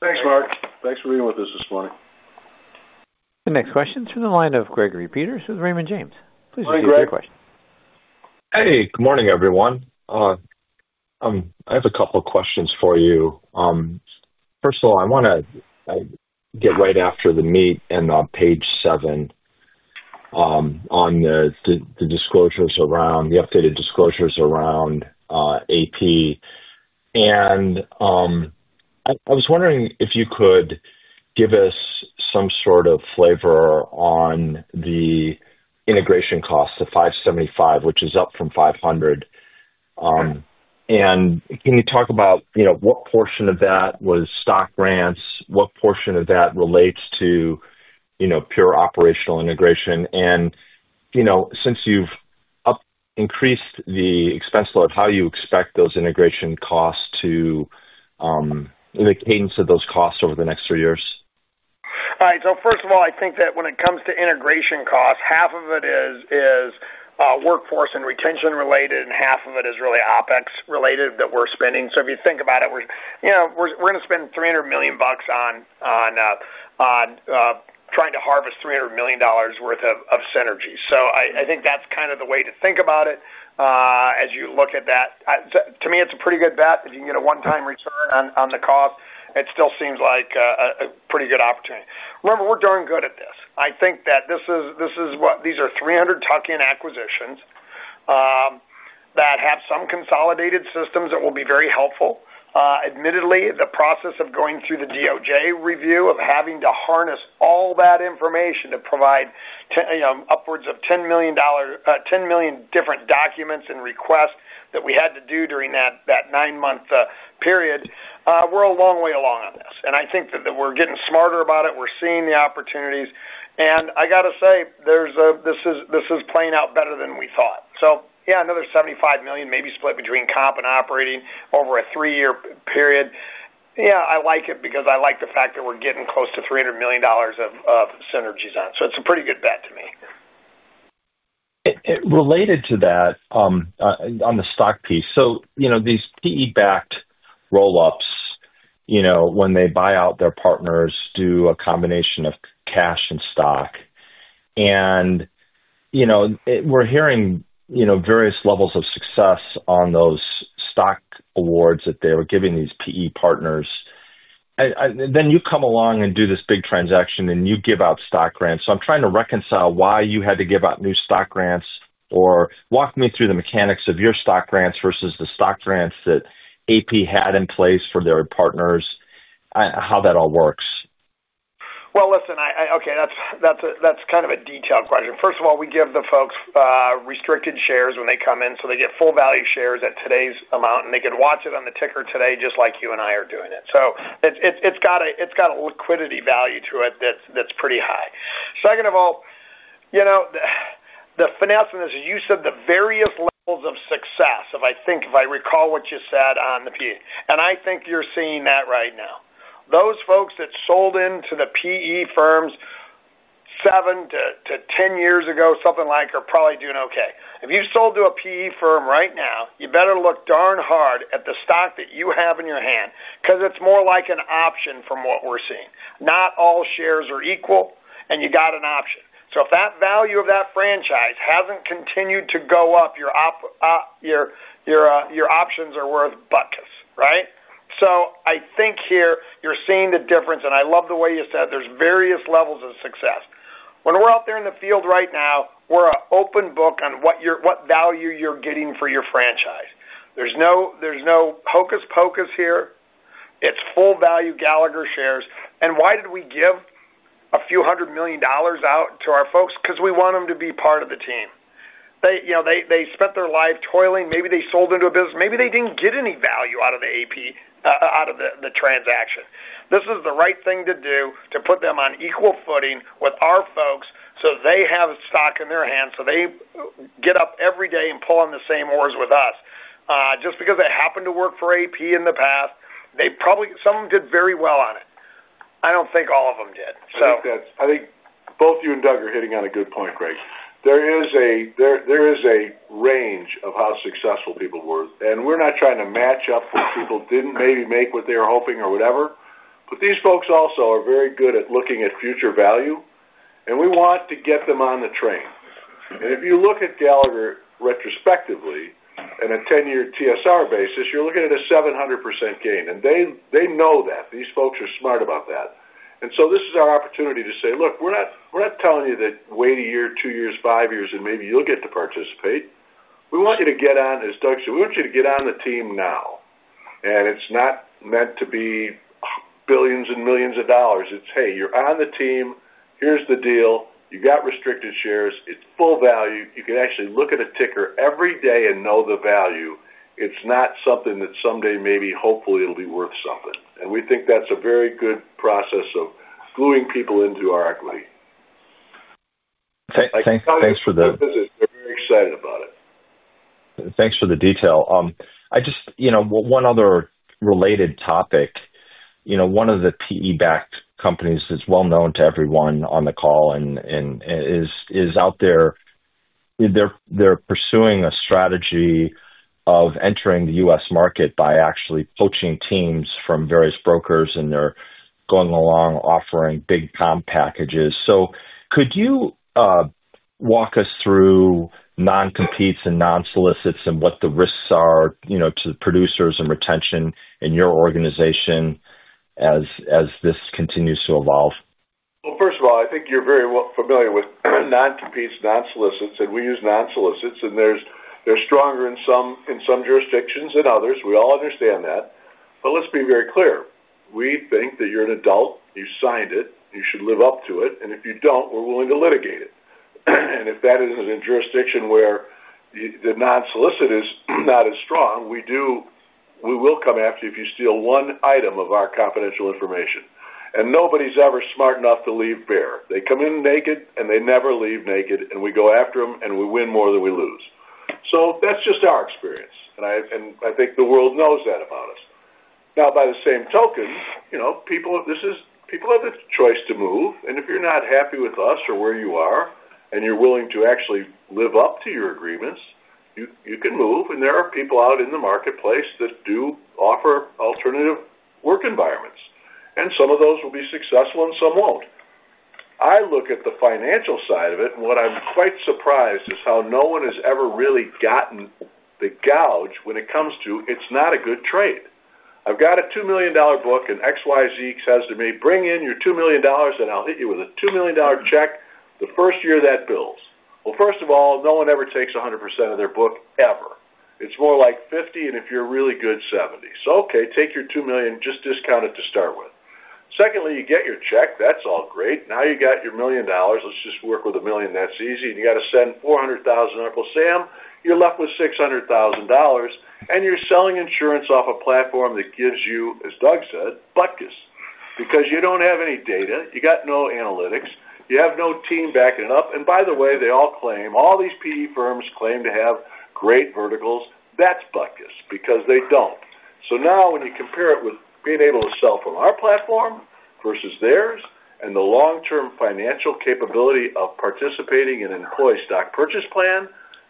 Thanks, Mark. Thanks for being with us this morning. The next question is from the line of Gregory Peters with Raymond James. Please read your question. Hey, good morning, everyone. I have a couple of questions for you. First of all, I want to get right after the meet and on page seven on the disclosures around the updated disclosures around AP. I was wondering if you could give us some sort of flavor on the integration cost of $575 million, which is up from $500 million. Can you talk about what portion of that was stock grants, what portion of that relates to pure operational integration? Since you've increased the expense load, how do you expect those integration costs to, you know, the cadence of those costs over the next three years? All right. So first of all, I think that when it comes to integration costs, half of it is workforce and retention-related, and half of it is really OpEx-related that we're spending. If you think about it, we're going to spend $300 million on trying to harvest $300 million worth of synergies. I think that's kind of the way to think about it as you look at that. To me, it's a pretty good bet. If you can get a one-time return on the cost, it still seems like a pretty good opportunity. Remember, we're darn good at this. I think that this is what these are, 300-tucking acquisitions that have some consolidated systems that will be very helpful. Admittedly, the process of going through the DOJ review of having to harness all that information to provide upwards of 10 million different documents and requests that we had to do during that nine-month period. We're a long way along on this. I think that we're getting smarter about it. We're seeing the opportunities. I got to say, this is playing out better than we thought. Another $75 million, maybe split between comp and operating over a three-year period. I like it because I like the fact that we're getting close to $300 million of synergies on. It's a pretty good bet to me. Related to that, on the stock piece, these PE-backed roll-ups, when they buy out their partners, do a combination of cash and stock. We're hearing various levels of success on those stock awards that they were giving these PE partners. You come along and do this big transaction and you give out stock grants. I'm trying to reconcile why you had to give out new stock grants or walk me through the mechanics of your stock grants versus the stock grants that AssuredPartners had in place for their partners and how that all works. Okay, that's kind of a detailed question. First of all, we give the folks restricted shares when they come in. They get full-value shares at today's amount, and they could watch it on the ticker today just like you and I are doing it. It's got a liquidity value to it that's pretty high. Second of all, you know the finesse in this, as you said, the various levels of success, if I think, if I recall what you said on the PE, and I think you're seeing that right now. Those folks that sold into the PE firms 7 to 10 years ago, something like right now, you better look darn hard at the stock that you have in your hand because it's more like an option from what we're seeing. Not all shares are equal, and you got an option. If that value of that franchise hasn't continued to go up, your options are worth buckets, right? I think here you're seeing the difference, and I love the way you said there's various levels of success. When we're out there in the field right now, we're an open book on what value you're getting for your franchise. There's no hocus-pocus here. It's full-value Gallagher shares. Why did we give a few hundred million dollars out to our folks? Because we want them to be part of the team. They spent their life toiling. Maybe they sold into a business. Maybe they didn't get any value out of the AP, out of the transaction. This is the right thing to do to put them on equal footing with our folks so they have stock in their hands. They get up every day and pull on the same oars with us. Just because they happen to work for AssuredPartners in the past, they probably, some of them did very well on it. I don't think all of them did. I think both you and Doug are hitting on a good point, Greg. There is a range of how successful people were. We are not trying to match up with people who did not maybe make what they were hoping or whatever. These folks also are very good at looking at future value. We want to get them on the train. If you look at Gallagher retrospectively on a 10-year TSR basis, you are looking at a 700% gain. They know that. These folks are smart about that. This is our opportunity to say, look, we are not telling you to wait a year, two years, five years, and maybe you will get to participate. We want you to get on, as Doug said, we want you to get on the team now. It is not meant to be billions and millions of dollars. It is, hey, you are on the team. Here is the deal. You have got restricted shares. It is full value. You can actually look at a ticker every day and know the value. It is not something that someday maybe hopefully it will be worth something. We think that is a very good process of gluing people into our equity. Thanks. This is very excited about it. Thanks for the detail. I just, you know, one other related topic. One of the PE-backed companies is well known to everyone on the call and is out there. They're pursuing a strategy of entering the U.S. market by actually poaching teams from various brokers, and they're going along offering big comp packages. Could you walk us through non-competes and non-solicits and what the risks are to the producers and retention in your organization as this continues to evolve? First of all, I think you're very well familiar with non-competes, non-solicits, and we use non-solicits, and they're stronger in some jurisdictions than others. We all understand that. Let's be very clear. We think that you're an adult. You signed it. You should live up to it. If you don't, we're willing to litigate it. If that isn't in a jurisdiction where the non-solicit is not as strong, we will come after you if you steal one item of our confidential information. Nobody's ever smart enough to leave bare. They come in naked, and they never leave naked, and we go after them, and we win more than we lose. That's just our experience. I think the world knows that about us. By the same token, people have the choice to move. If you're not happy with us or where you are, and you're willing to actually live up to your agreements, you can move. There are people out in the marketplace that do offer alternative work environments. Some of those will be successful and some won't. I look at the financial side of it, and what I'm quite surprised is how no one has ever really gotten the gouge when it comes to it's not a good trade. I've got a $2 million book and XYZ says to me, "Bring in your $2 million, and I'll hit you with a $2 million check the first year that bills." First of all, no one ever takes 100% of their book ever. It's more like 50%, and if you're really good, 70%. Take your $2 million, just discount it to start with. You get your check. That's all great. Now you got your $1 million. Let's just work with $1 million. That's easy. You got to send $400,000 to Uncle Sam. You're left with $600,000, and you're selling insurance off a platform that gives you, as Doug said, buckets because you don't have any data. You got no analytics. You have no team backing it up. By the way, they all claim all these PE firms claim to have great verticals. That's buckets because they don't. Now when you compare it with being able to sell from our platform versus theirs and the long-term financial capability of participating in an employee stock purchase plan,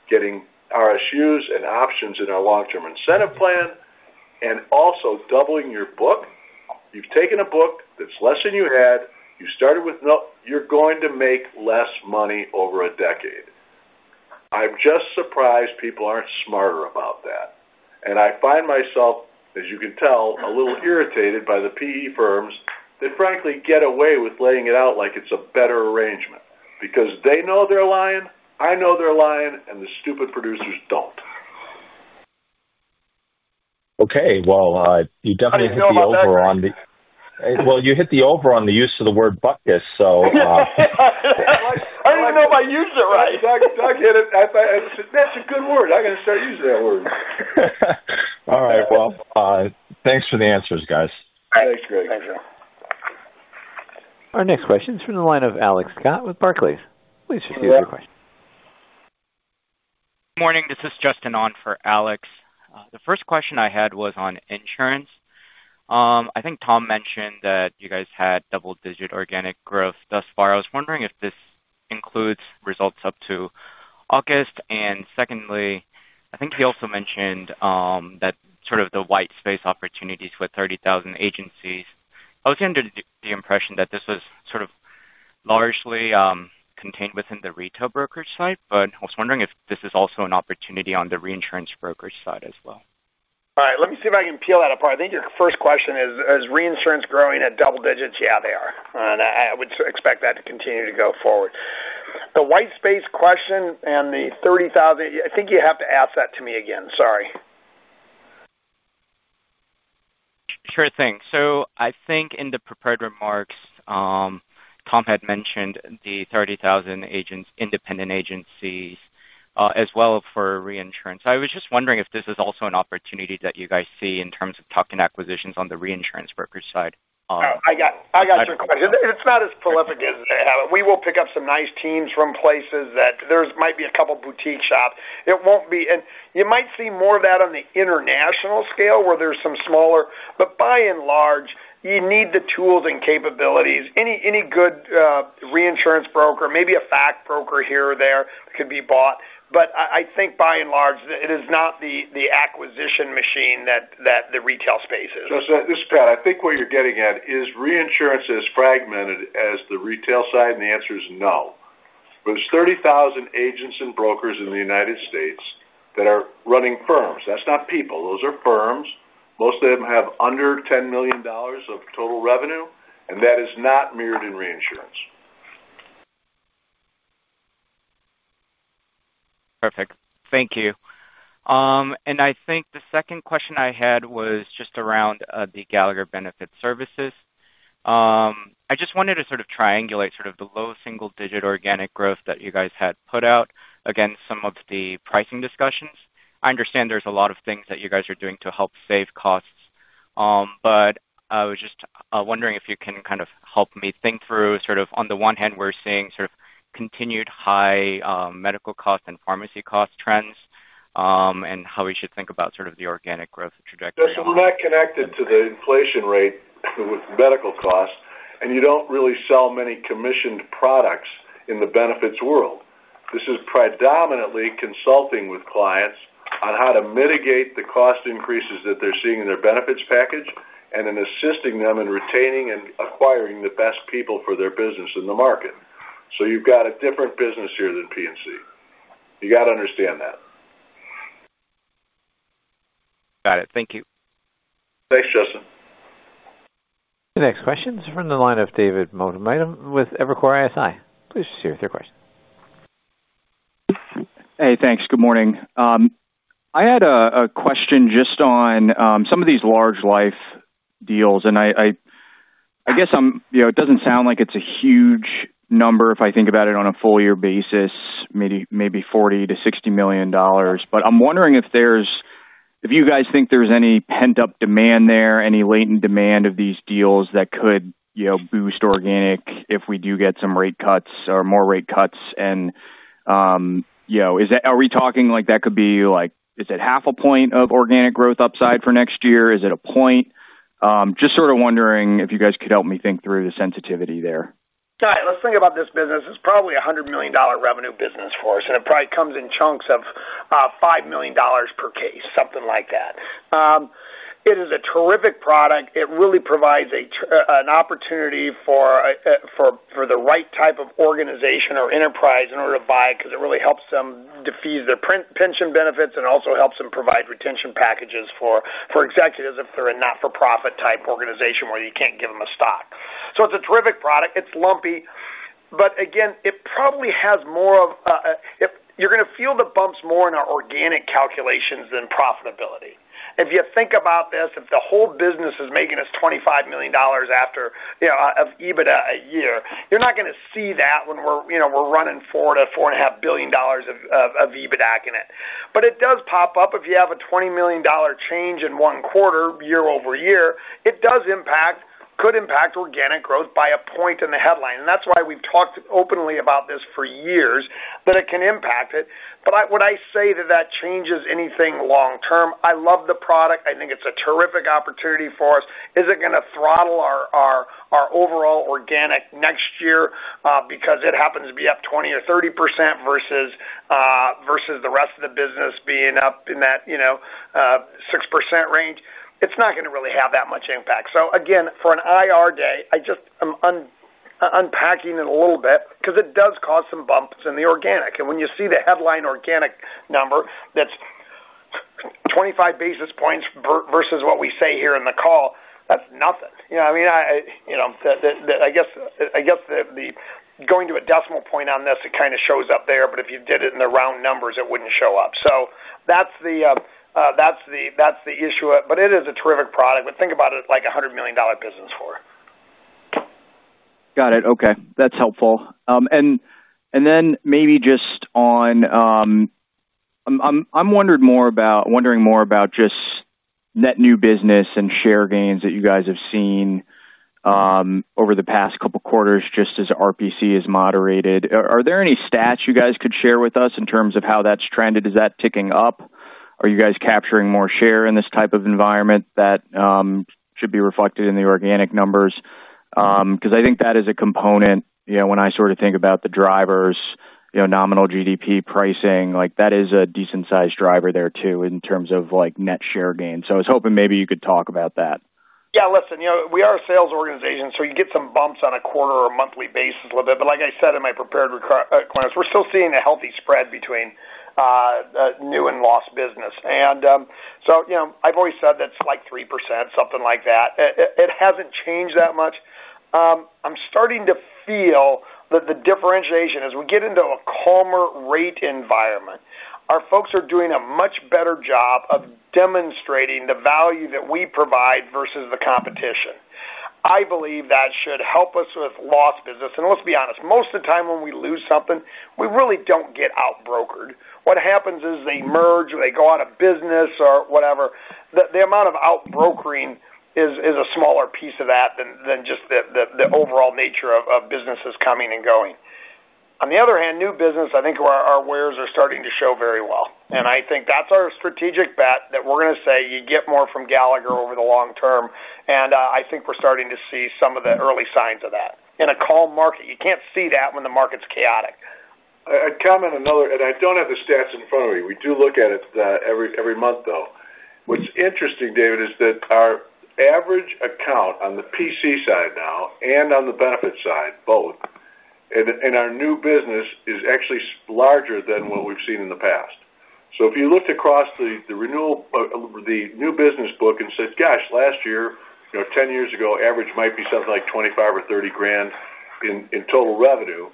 getting RSUs and options in our long-term incentive plan, and also doubling your book, you've taken a book that's less than you had. You've started with no, you're going to make less money over a decade. I'm just surprised people aren't smarter about that. I find myself, as you can tell, a little irritated by the PE firms that frankly get away with laying it out like it's a better arrangement because they know they're lying. I know they're lying, and the stupid producers don't. Okay. You definitely hit the over on the use of the word buckets. I didn't even know if I used it right. Doug Howell hit it. I said, "That's a good word. I got to start using that word. All right. Thanks for the answers, guys. Thanks, Greg. Thank you. Our next question is from the line of Alex Scott with Barclays. Please proceed with your question. Morning. This is Justin on for Alex. The first question I had was on insurance. I think Tom Gallagher mentioned that you guys had double-digit organic growth thus far. I was wondering if this includes results up to August. I think he also mentioned that sort of the white space opportunities with 30,000 agencies. I was under the impression that this was sort of largely contained within the retail brokerage side, but I was wondering if this is also an opportunity on the reinsurance brokerage side as well. All right. Let me see if I can peel that apart. I think your first question is, is reinsurance growing at double digits? Yeah, they are, and I would expect that to continue to go forward. The white space question and the 30,000, I think you have to ask that to me again. Sorry. I think in the prepared remarks, Tom Gallagher had mentioned the 30,000 independent agencies as well for reinsurance. I was just wondering if this is also an opportunity that you guys see in terms of talking acquisitions on the reinsurance brokerage side. I got your question. It's not as prolific as we will pick up some nice teams from places that there might be a couple of boutique shops. It won't be, and you might see more of that on the international scale where there's some smaller, but by and large, you need the tools and capabilities. Any good reinsurance broker, maybe a fact broker here or there could be bought. I think by and large, it is not the acquisition machine that the retail space is. This is Pat. I think what you're getting at is reinsurance is fragmented as the retail side, and the answer is no. There are 30,000 agents and brokers in the U.S. that are running firms. That's not people. Those are firms. Most of them have under $10 million of total revenue, and that is not mirrored in reinsurance. Perfect. Thank you. I think the second question I had was just around the Gallagher Benefits Services. I just wanted to sort of triangulate the low single-digit organic growth that you guys had put out against some of the pricing discussions. I understand there's a lot of things that you guys are doing to help save costs. I was just wondering if you can kind of help me think through on the one hand, we're seeing continued high medical cost and pharmacy cost trends and how we should think about the organic growth trajectory. We're not connected to the inflation rate with medical costs, and you don't really sell many commissioned products in the benefits world. This is predominantly consulting with clients on how to mitigate the cost increases that they're seeing in their benefits package and in assisting them in retaining and acquiring the best people for their business in the market. You have a different business here than P&C. You got to understand that. Got it. Thank you. Thanks, Justin. The next question is from the line of David Motomato with Evercore ISI. Please share with your question. Hey, thanks. Good morning. I had a question just on some of these large life deals. I guess it doesn't sound like it's a huge number if I think about it on a full-year basis, maybe $40 to $60 million. I'm wondering if you guys think there's any pent-up demand there, any latent demand of these deals that could boost organics if we do get some rate cuts or more rate cuts. Are we talking like that could be, is it half a point of organic growth upside for next year? Is it a point? Just sort of wondering if you guys could help me think through the sensitivity there. All right. Let's think about this business. It's probably a $100 million revenue business for us, and it probably comes in chunks of $5 million per case, something like that. It is a terrific product. It really provides an opportunity for the right type of organization or enterprise in order to buy it because it really helps them defuse their pension benefits and also helps them provide retention packages for executives if they're a not-for-profit type organization where you can't give them a stock. It's a terrific product. It's lumpy. Again, it probably has more of, if you're going to feel the bumps, more in our organic calculations than profitability. If you think about this, if the whole business is making us $25 million of EBITDA a year, you're not going to see that when we're running $4 billion to $4.5 billion of EBITDA in it. It does pop up if you have a $20 million change in one quarter, year over year. It could impact organic growth by a point in the headline. That's why we've talked openly about this for years, that it can impact it. I wouldn't say that changes anything long term. I love the product. I think it's a terrific opportunity for us. Is it going to throttle our overall organic next year because it happens to be up 20% or 30% versus the rest of the business being up in that 6% range? It's not going to really have that much impact. For an IR day, I just am unpacking it a little bit because it does cause some bumps in the organic. When you see the headline organic number, that's 25 basis points versus what we say here in the call, that's nothing. I guess going to a decimal point on this, it kind of shows up there. If you did it in the round numbers, it wouldn't show up. That's the issue. It is a terrific product. Think about it like a $100 million business for us. Got it. Okay, that's helpful. Maybe just on, I'm wondering more about just net new business and share gains that you guys have seen over the past couple of quarters, just as RPC has moderated. Are there any stats you guys could share with us in terms of how that's trended? Is that ticking up? Are you guys capturing more share in this type of environment that should be reflected in the organic numbers? I think that is a component, you know, when I sort of think about the drivers, you know, nominal GDP pricing, like that is a decent sized driver there too in terms of like net share gain. I was hoping maybe you could talk about that. Yeah, listen, you know, we are a sales organization, so you get some bumps on a quarter or a monthly basis with it. Like I said in my prepared request, we're still seeing a healthy spread between new and lost business. I've always said that's like 3%, something like that. It hasn't changed that much. I'm starting to feel that the differentiation as we get into a calmer rate environment, our folks are doing a much better job of demonstrating the value that we provide versus the competition. I believe that should help us with lost business. Let's be honest, most of the time when we lose something, we really don't get outbrokered. What happens is they merge or they go out of business or whatever. The amount of outbrokering is a smaller piece of that than just the overall nature of businesses coming and going. On the other hand, new business, I think our wares are starting to show very well. I think that's our strategic bet that we're going to say you get more from Gallagher over the long term. I think we're starting to see some of the early signs of that in a calm market. You can't see that when the market's chaotic. I'd comment another, and I don't have the stats in front of me. We do look at it every month, though. What's interesting, David, is that our average account on the P&C side now and on the benefit side, both, and our new business is actually larger than what we've seen in the past. If you looked across the renewal, the new business book and said, "Gosh, last year, you know, 10 years ago, average might be something like $25,000 or $30,000 in total revenue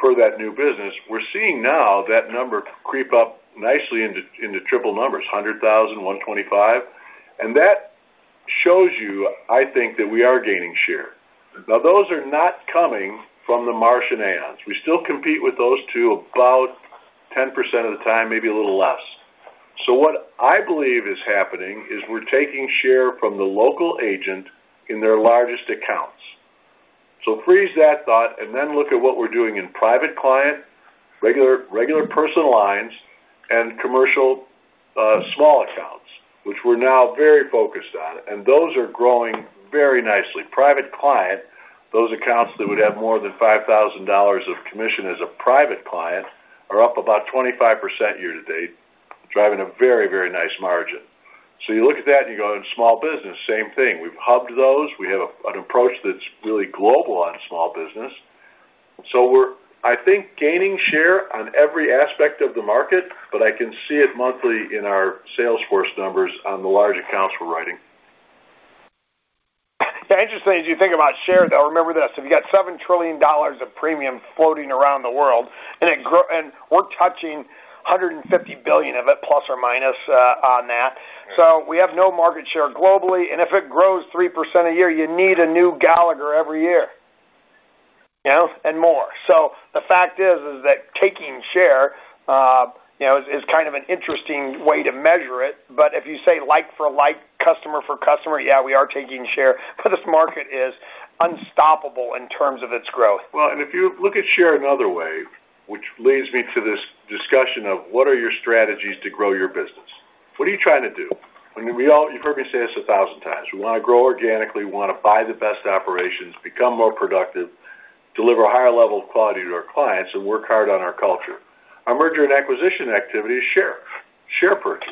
per that new business," we're seeing now that number creep up nicely into triple numbers, $100,000, $125,000. That shows you, I think, that we are gaining share. Those are not coming from the Marsh and Aon. We still compete with those two about 10% of the time, maybe a little less. What I believe is happening is we're taking share from the local agent in their largest accounts. Freeze that thought and then look at what we're doing in private client, regular person lines, and commercial, small accounts, which we're now very focused on. Those are growing very nicely. Private client, those accounts that would have more than $5,000 of commission as a private client are up about 25% year to date, driving a very, very nice margin. You look at that and you go, "Small business, same thing." We've hubbed those. We have an approach that's really global on small business. We're, I think, gaining share on every aspect of the market, but I can see it monthly in our Salesforce numbers on the large accounts we're writing. Yeah, interesting. As you think about share, remember this, if you've got $7 trillion of premium floating around the world, and we're touching $150 billion of it, plus or minus on that. We have no market share globally. If it grows 3% a year, you need a new Gallagher every year, you know, and more. The fact is that taking share is kind of an interesting way to measure it. If you say like for like, customer for customer, yeah, we are taking share. This market is unstoppable in terms of its growth. If you look at share another way, which leads me to this discussion of what are your strategies to grow your business, what are you trying to do? I mean, we all, you've heard me say this a thousand times. We want to grow organically. We want to buy the best operations, become more productive, deliver a higher level of quality to our clients, and work hard on our culture. Our merger and acquisition activity is share, share purchase.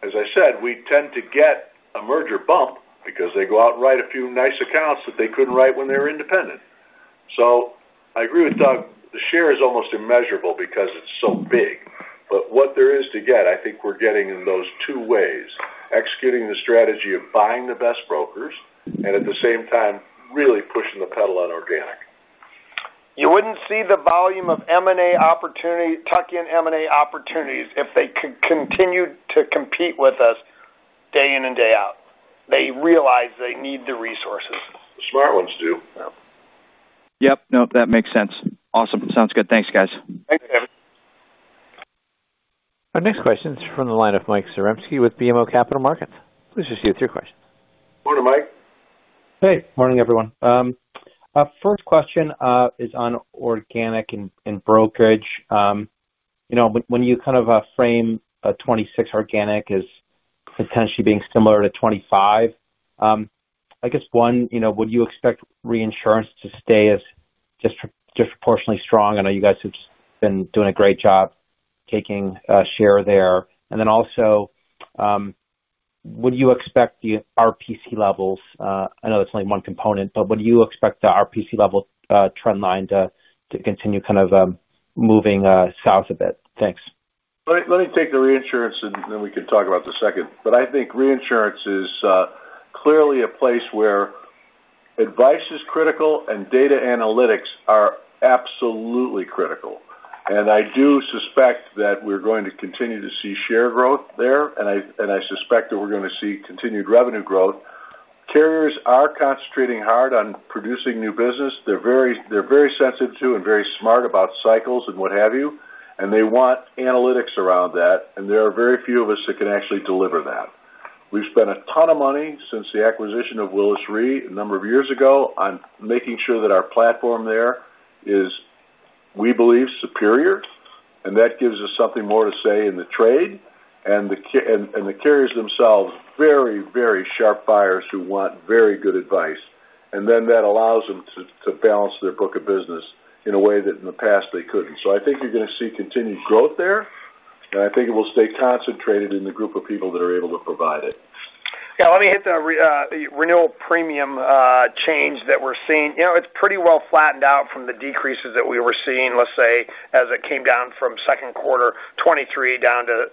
As I said, we tend to get a merger bump because they go out and write a few nice accounts that they couldn't write when they were independent. I agree with Doug, the share is almost immeasurable because it's so big. What there is to get, I think we're getting in those two ways, executing the strategy of buying the best brokers, and at the same time, really pushing the pedal on organic. You wouldn't see the volume of M&A opportunity, tuck-in M&A opportunities, if they could continue to compete with us day in and day out. They realize they need the resources. Smart ones do. Yeah. Yep, no, that makes sense. Awesome. Sounds good. Thanks, guys. Thanks, David. Our next question is from the line of Mike Seremski with BMO Capital Markets. Please proceed with your question. Morning, Mike. Hey, morning, everyone. First question is on organic and brokerage. You know, when you kind of frame a 2026 organic as potentially being similar to 2025, I guess, one, you know, would you expect reinsurance to stay as disproportionately strong? I know you guys have been doing a great job taking share there. Also, would you expect the RPC levels? I know that's only one component, but would you expect the RPC level trend line to continue kind of moving south a bit? Thanks. Let me take the reinsurance, and then we can talk about the second. I think reinsurance is clearly a place where advice is critical and data analytics are absolutely critical. I do suspect that we're going to continue to see share growth there, and I suspect that we're going to see continued revenue growth. Carriers are concentrating hard on producing new business. They're very sensitive to and very smart about cycles and what have you. They want analytics around that. There are very few of us that can actually deliver that. We've spent a ton of money since the acquisition of Willis Re a number of years ago on making sure that our platform there is, we believe, superior. That gives us something more to say in the trade. The carriers themselves are very, very sharp buyers who want very good advice. That allows them to balance their book of business in a way that in the past they couldn't. I think you're going to see continued growth there. I think it will stay concentrated in the group of people that are able to provide it. Yeah, let me hit the renewal premium change that we're seeing. It's pretty well flattened out from the decreases that we were seeing, let's say, as it came down from second quarter 2023 down to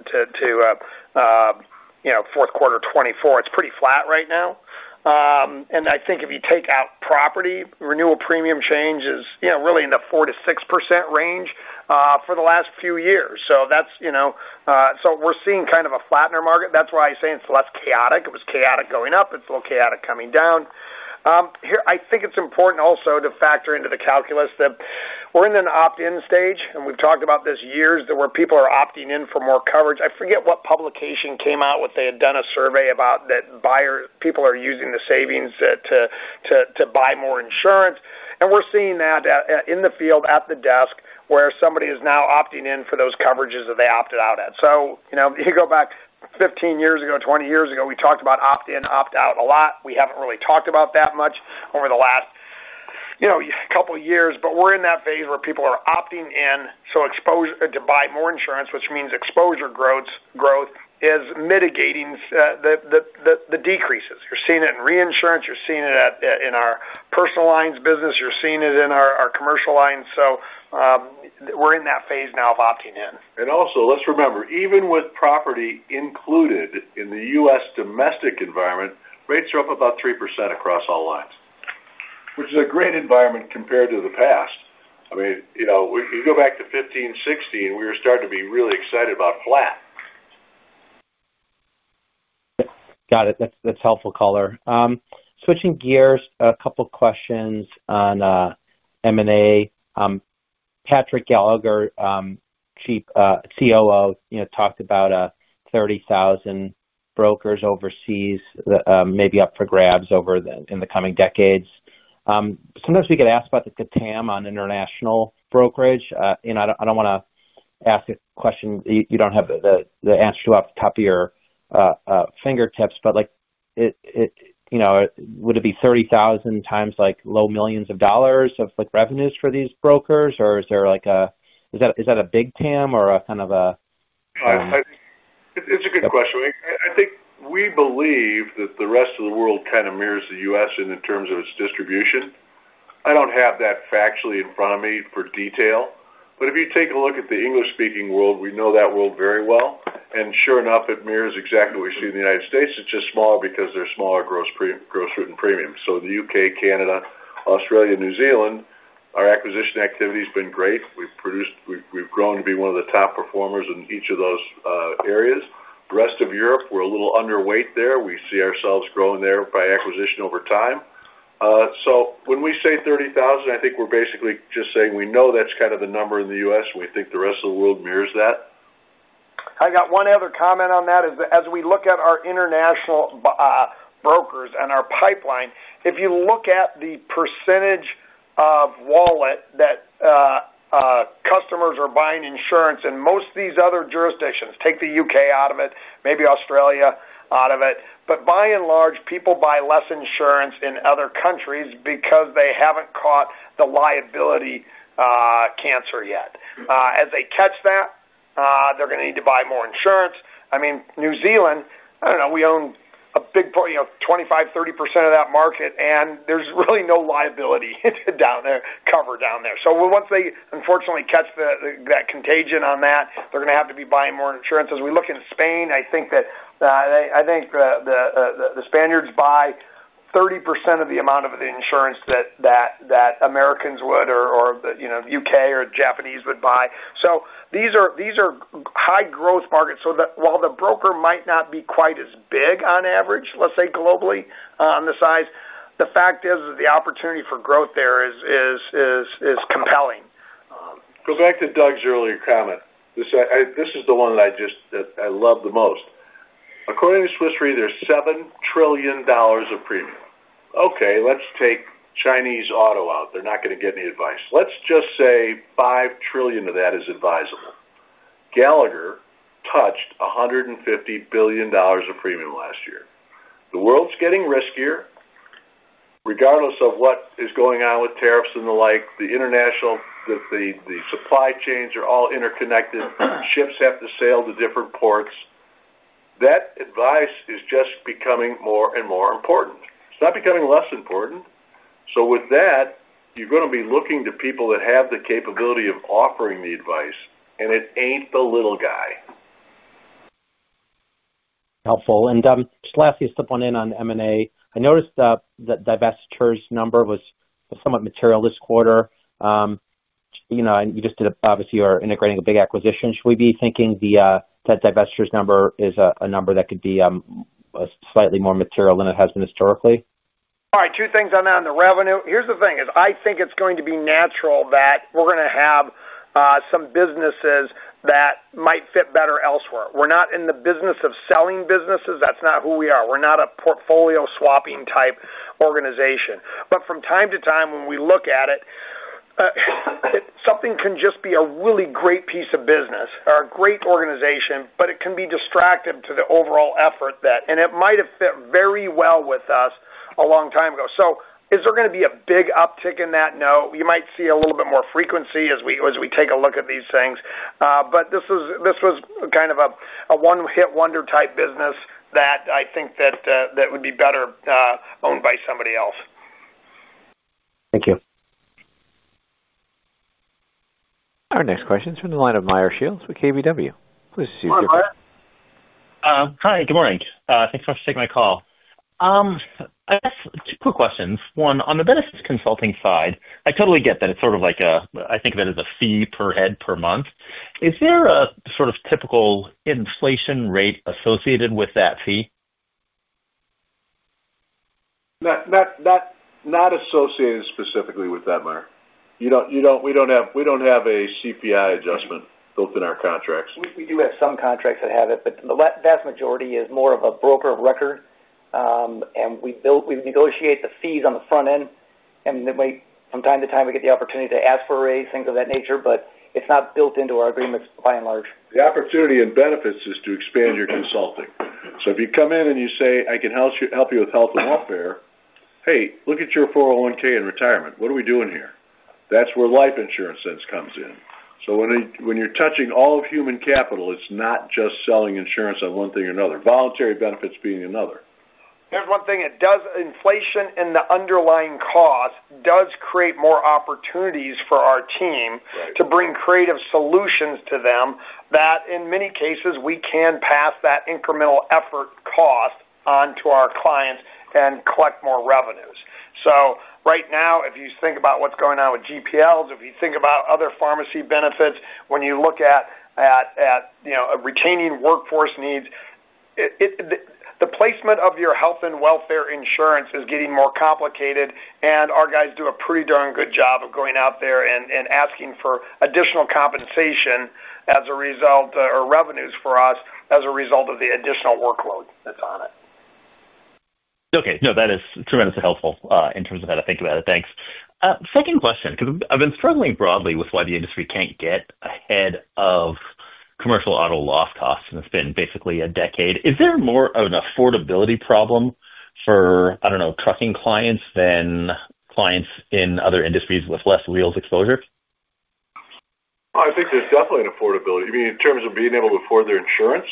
fourth quarter 2024. It's pretty flat right now. I think if you take out property, renewal premium changes are really in the 4% to 6% range for the last few years. That's why I say it's less chaotic. It was chaotic going up. It's a little chaotic coming down. I think it's important also to factor into the calculus that we're in an opt-in stage. We've talked about this for years where people are opting in for more coverage. I forget what publication came out, what they had done a survey about that buyers, people are using the savings to buy more insurance. We're seeing that in the field at the desk where somebody is now opting in for those coverages that they opted out at. You go back 15 years ago, 20 years ago, we talked about opt-in, opt-out a lot. We haven't really talked about that much over the last couple of years. We're in that phase where people are opting in to buy more insurance, which means exposure growth is mitigating the decreases. You're seeing it in reinsurance. You're seeing it in our personal lines business. You're seeing it in our commercial lines. We're in that phase now of opting in. Let's remember, even with property included in the U.S. domestic environment, rates are up about 3% across all lines, which is a great environment compared to the past. You go back to 2015, 2016, we were starting to be really excited about flat. Got it. That's helpful, caller. Switching gears, a couple of questions on M&A. Patrick Gallagher, Chief Operating Officer, you know, talked about 30,000 brokers overseas, maybe up for grabs over in the coming decades. Sometimes we get asked about the TAM on international brokerage. I don't want to ask a question you don't have the answer to off the top of your fingertips, but like, you know, would it be 30,000 times like low millions of dollars of revenues for these brokers, or is there like a, is that a big TAM or a kind of a? It's a good question. I think we believe that the rest of the world kind of mirrors the U.S. in terms of its distribution. I don't have that factually in front of me for detail, but if you take a look at the English-speaking world, we know that world very well, and sure enough, it mirrors exactly what we see in the United States. It's just smaller because they're smaller gross written premiums. In the U.K., Canada, Australia, and New Zealand, our acquisition activity has been great. We've grown to be one of the top performers in each of those areas. The rest of Europe, we're a little underweight there. We see ourselves growing there by acquisition over time. When we say 30,000, I think we're basically just saying we know that's kind of the number in the U.S., and we think the rest of the world mirrors that. I've got one other comment on that is that as we look at our international brokers and our pipeline, if you look at the % of wallet that customers are buying insurance in most of these other jurisdictions, take the UK out of it, maybe Australia out of it, but by and large, people buy less insurance in other countries because they haven't caught the liability cancer yet. As they catch that, they're going to need to buy more insurance. I mean, New Zealand, I don't know, we own a big part, you know, 25%, 30% of that market, and there's really no liability down there, cover down there. Once they unfortunately catch that contagion on that, they're going to have to be buying more insurance. As we look in Spain, I think that the Spaniards buy 30% of the amount of the insurance that Americans would or the UK or Japanese would buy. These are high-growth markets. While the broker might not be quite as big on average, let's say globally on the size, the fact is that the opportunity for growth there is compelling. Go back to Doug Howell's earlier comment. This is the one that I just, I love the most. According to Swiss Re, there's $7 trillion of premium. Okay, let's take Chinese auto out. They're not going to get any advice. Let's just say $5 trillion of that is advisable. Arthur J. Gallagher & Co. touched $150 billion of premium last year. The world's getting riskier. Regardless of what is going on with tariffs and the like, the international, the supply chains are all interconnected. Ships have to sail to different ports. That advice is just becoming more and more important. It's not becoming less important. With that, you're going to be looking to people that have the capability of offering the advice, and it ain't the little guy. Helpful. Just lastly, to pull in on M&A, I noticed that the divestitures number was somewhat material this quarter. You know, you just did, obviously, you're integrating a big acquisition. Should we be thinking that divestitures number is a number that could be slightly more material than it has been historically? All right, two things on that. On the revenue, here's the thing: I think it's going to be natural that we're going to have some businesses that might fit better elsewhere. We're not in the business of selling businesses. That's not who we are. We're not a portfolio swapping type organization. From time to time, when we look at it, something can just be a really great piece of business or a great organization, but it can be distracting to the overall effort, and it might have fit very well with us a long time ago. Is there going to be a big uptick in that? No, you might see a little bit more frequency as we take a look at these things. This was kind of a one-hit wonder type business that I think would be better owned by somebody else. Thank you. Our next question is from the line of Meyer Shields with KBW. Please proceed with your question. Hi. Good morning. Thanks so much for taking my call. I have two quick questions. One, on the benefits consulting side, I totally get that it's sort of like a, I think of it as a fee per head per month. Is there a sort of typical inflation rate associated with that fee? Not associated specifically with that, Meyer. You don't, we don't have a CPI adjustment built in our contracts. We do have some contracts that have it, but the vast majority is more of a broker of record. We negotiate the fees on the front end. From time to time, we get the opportunity to ask for a raise, things of that nature, but it's not built into our agreements by and large. The opportunity in benefits is to expand your consulting. If you come in and you say, "I can help you with health and welfare," hey, look at your 401(k) and retirement. What are we doing here? That's where life insurance then comes in. When you're touching all of human capital, it's not just selling insurance on one thing or another, voluntary benefits being another. Here's one thing. It does, inflation in the underlying cost does create more opportunities for our team to bring creative solutions to them that in many cases we can pass that incremental effort cost onto our clients and collect more revenues. Right now, if you think about what's going on with GPLs, if you think about other pharmacy benefits, when you look at, you know, retaining workforce needs, the placement of your health and welfare insurance is getting more complicated. Our guys do a pretty darn good job of going out there and asking for additional compensation as a result or revenues for us as a result of the additional workload that's on it. Okay. No, that is tremendously helpful in terms of how to think about it. Thanks. Second question, because I've been struggling broadly with why the industry can't get ahead of commercial auto loss costs, and it's been basically a decade. Is there more of an affordability problem for, I don't know, trucking clients than clients in other industries with less wheels exposure? I think there's definitely an affordability. You mean in terms of being able to afford their insurance?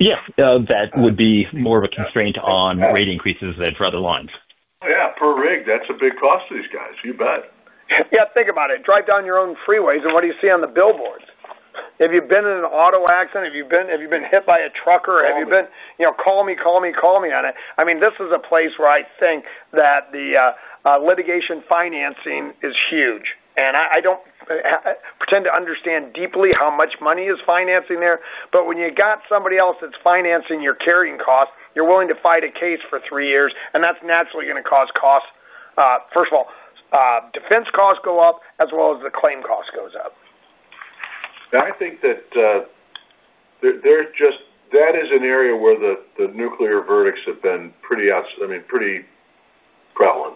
Yeah, that would be more of a constraint on rate increases that drive their lines. Yeah, per rig, that's a big cost to these guys. You bet. Yeah, think about it. Drive down your own freeways, and what do you see on the billboards? Have you been in an auto accident? Have you been hit by a trucker? Have you been, you know, call me, call me, call me on it? This is a place where I think that the litigation financing is huge. I don't pretend to understand deeply how much money is financing there. When you've got somebody else that's financing your carrying cost, you're willing to fight a case for three years, and that's naturally going to cause costs. First of all, defense costs go up as well as the claim cost goes up. I think that is an area where the nuclear verdicts have been pretty prevalent,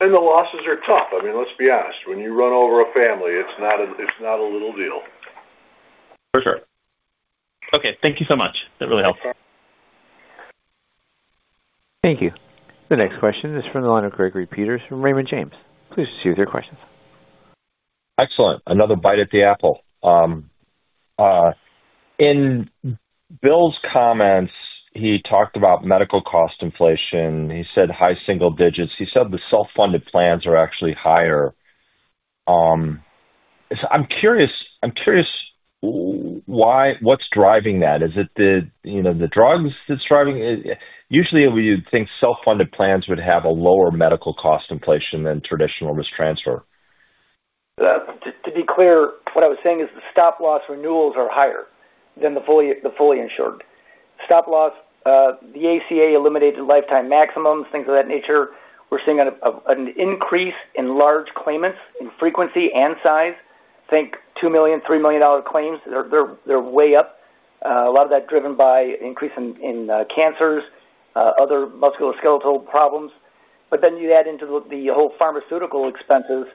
and the losses are tough. I mean, let's be honest, when you run over a family, it's not a little deal. For sure. Okay, thank you so much. That really helped. Thank you. The next question is from the line of Gregory Peters from Raymond James. Please proceed with your questions. Excellent. Another bite at the apple. In Bill's comments, he talked about medical cost inflation. He said high single digits. He said the self-funded plans are actually higher. I'm curious why, what's driving that? Is it the, you know, the drugs that's driving? Usually, you'd think self-funded plans would have a lower medical cost inflation than traditional risk transfer. To be clear, what I was saying is the stop loss renewals are higher than the fully insured. Stop loss, the ACA eliminated lifetime maximums, things of that nature. We're seeing an increase in large claimants in frequency and size. Think $2 million, $3 million claims. They're way up. A lot of that driven by increase in cancers, other musculoskeletal problems. You add into the whole pharmaceutical expenses,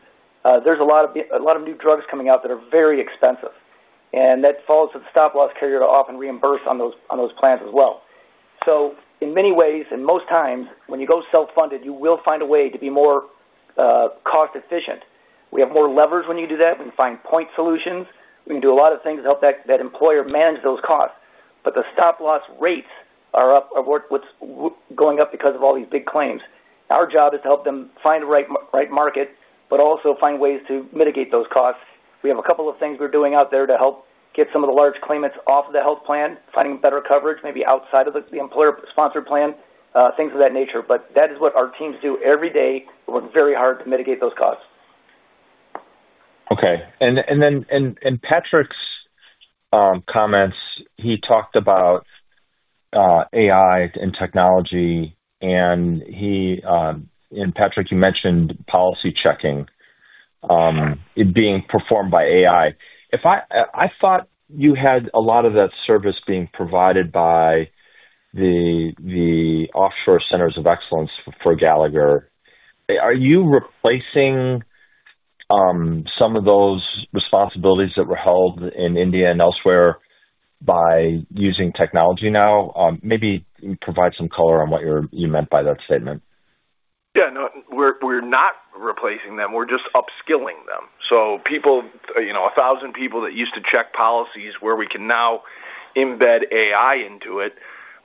there's a lot of new drugs coming out that are very expensive. That falls to the stop loss carrier to often reimburse on those plans as well. In many ways, and most times, when you go self-funded, you will find a way to be more cost-efficient. We have more levers when you do that. We can find point solutions. We can do a lot of things to help that employer manage those costs. The stop loss rates are what's going up because of all these big claims. Our job is to help them find the right market, but also find ways to mitigate those costs. We have a couple of things we're doing out there to help get some of the large claimants off of the health plan, finding better coverage, maybe outside of the employer-sponsored plan, things of that nature. That is what our teams do every day. We're working very hard to mitigate those costs. Okay. In Patrick's comments, he talked about AI and technology. In Patrick, you mentioned policy checking being performed by AI. I thought you had a lot of that service being provided by the offshore Centers of Excellence for Gallagher. Are you replacing some of those responsibilities that were held in India and elsewhere by using technology now? Maybe you provide some color on what you meant by that statement. Yeah, no, we're not replacing them. We're just upskilling them. So people, you know, 1,000 people that used to check policies where we can now embed AI into it,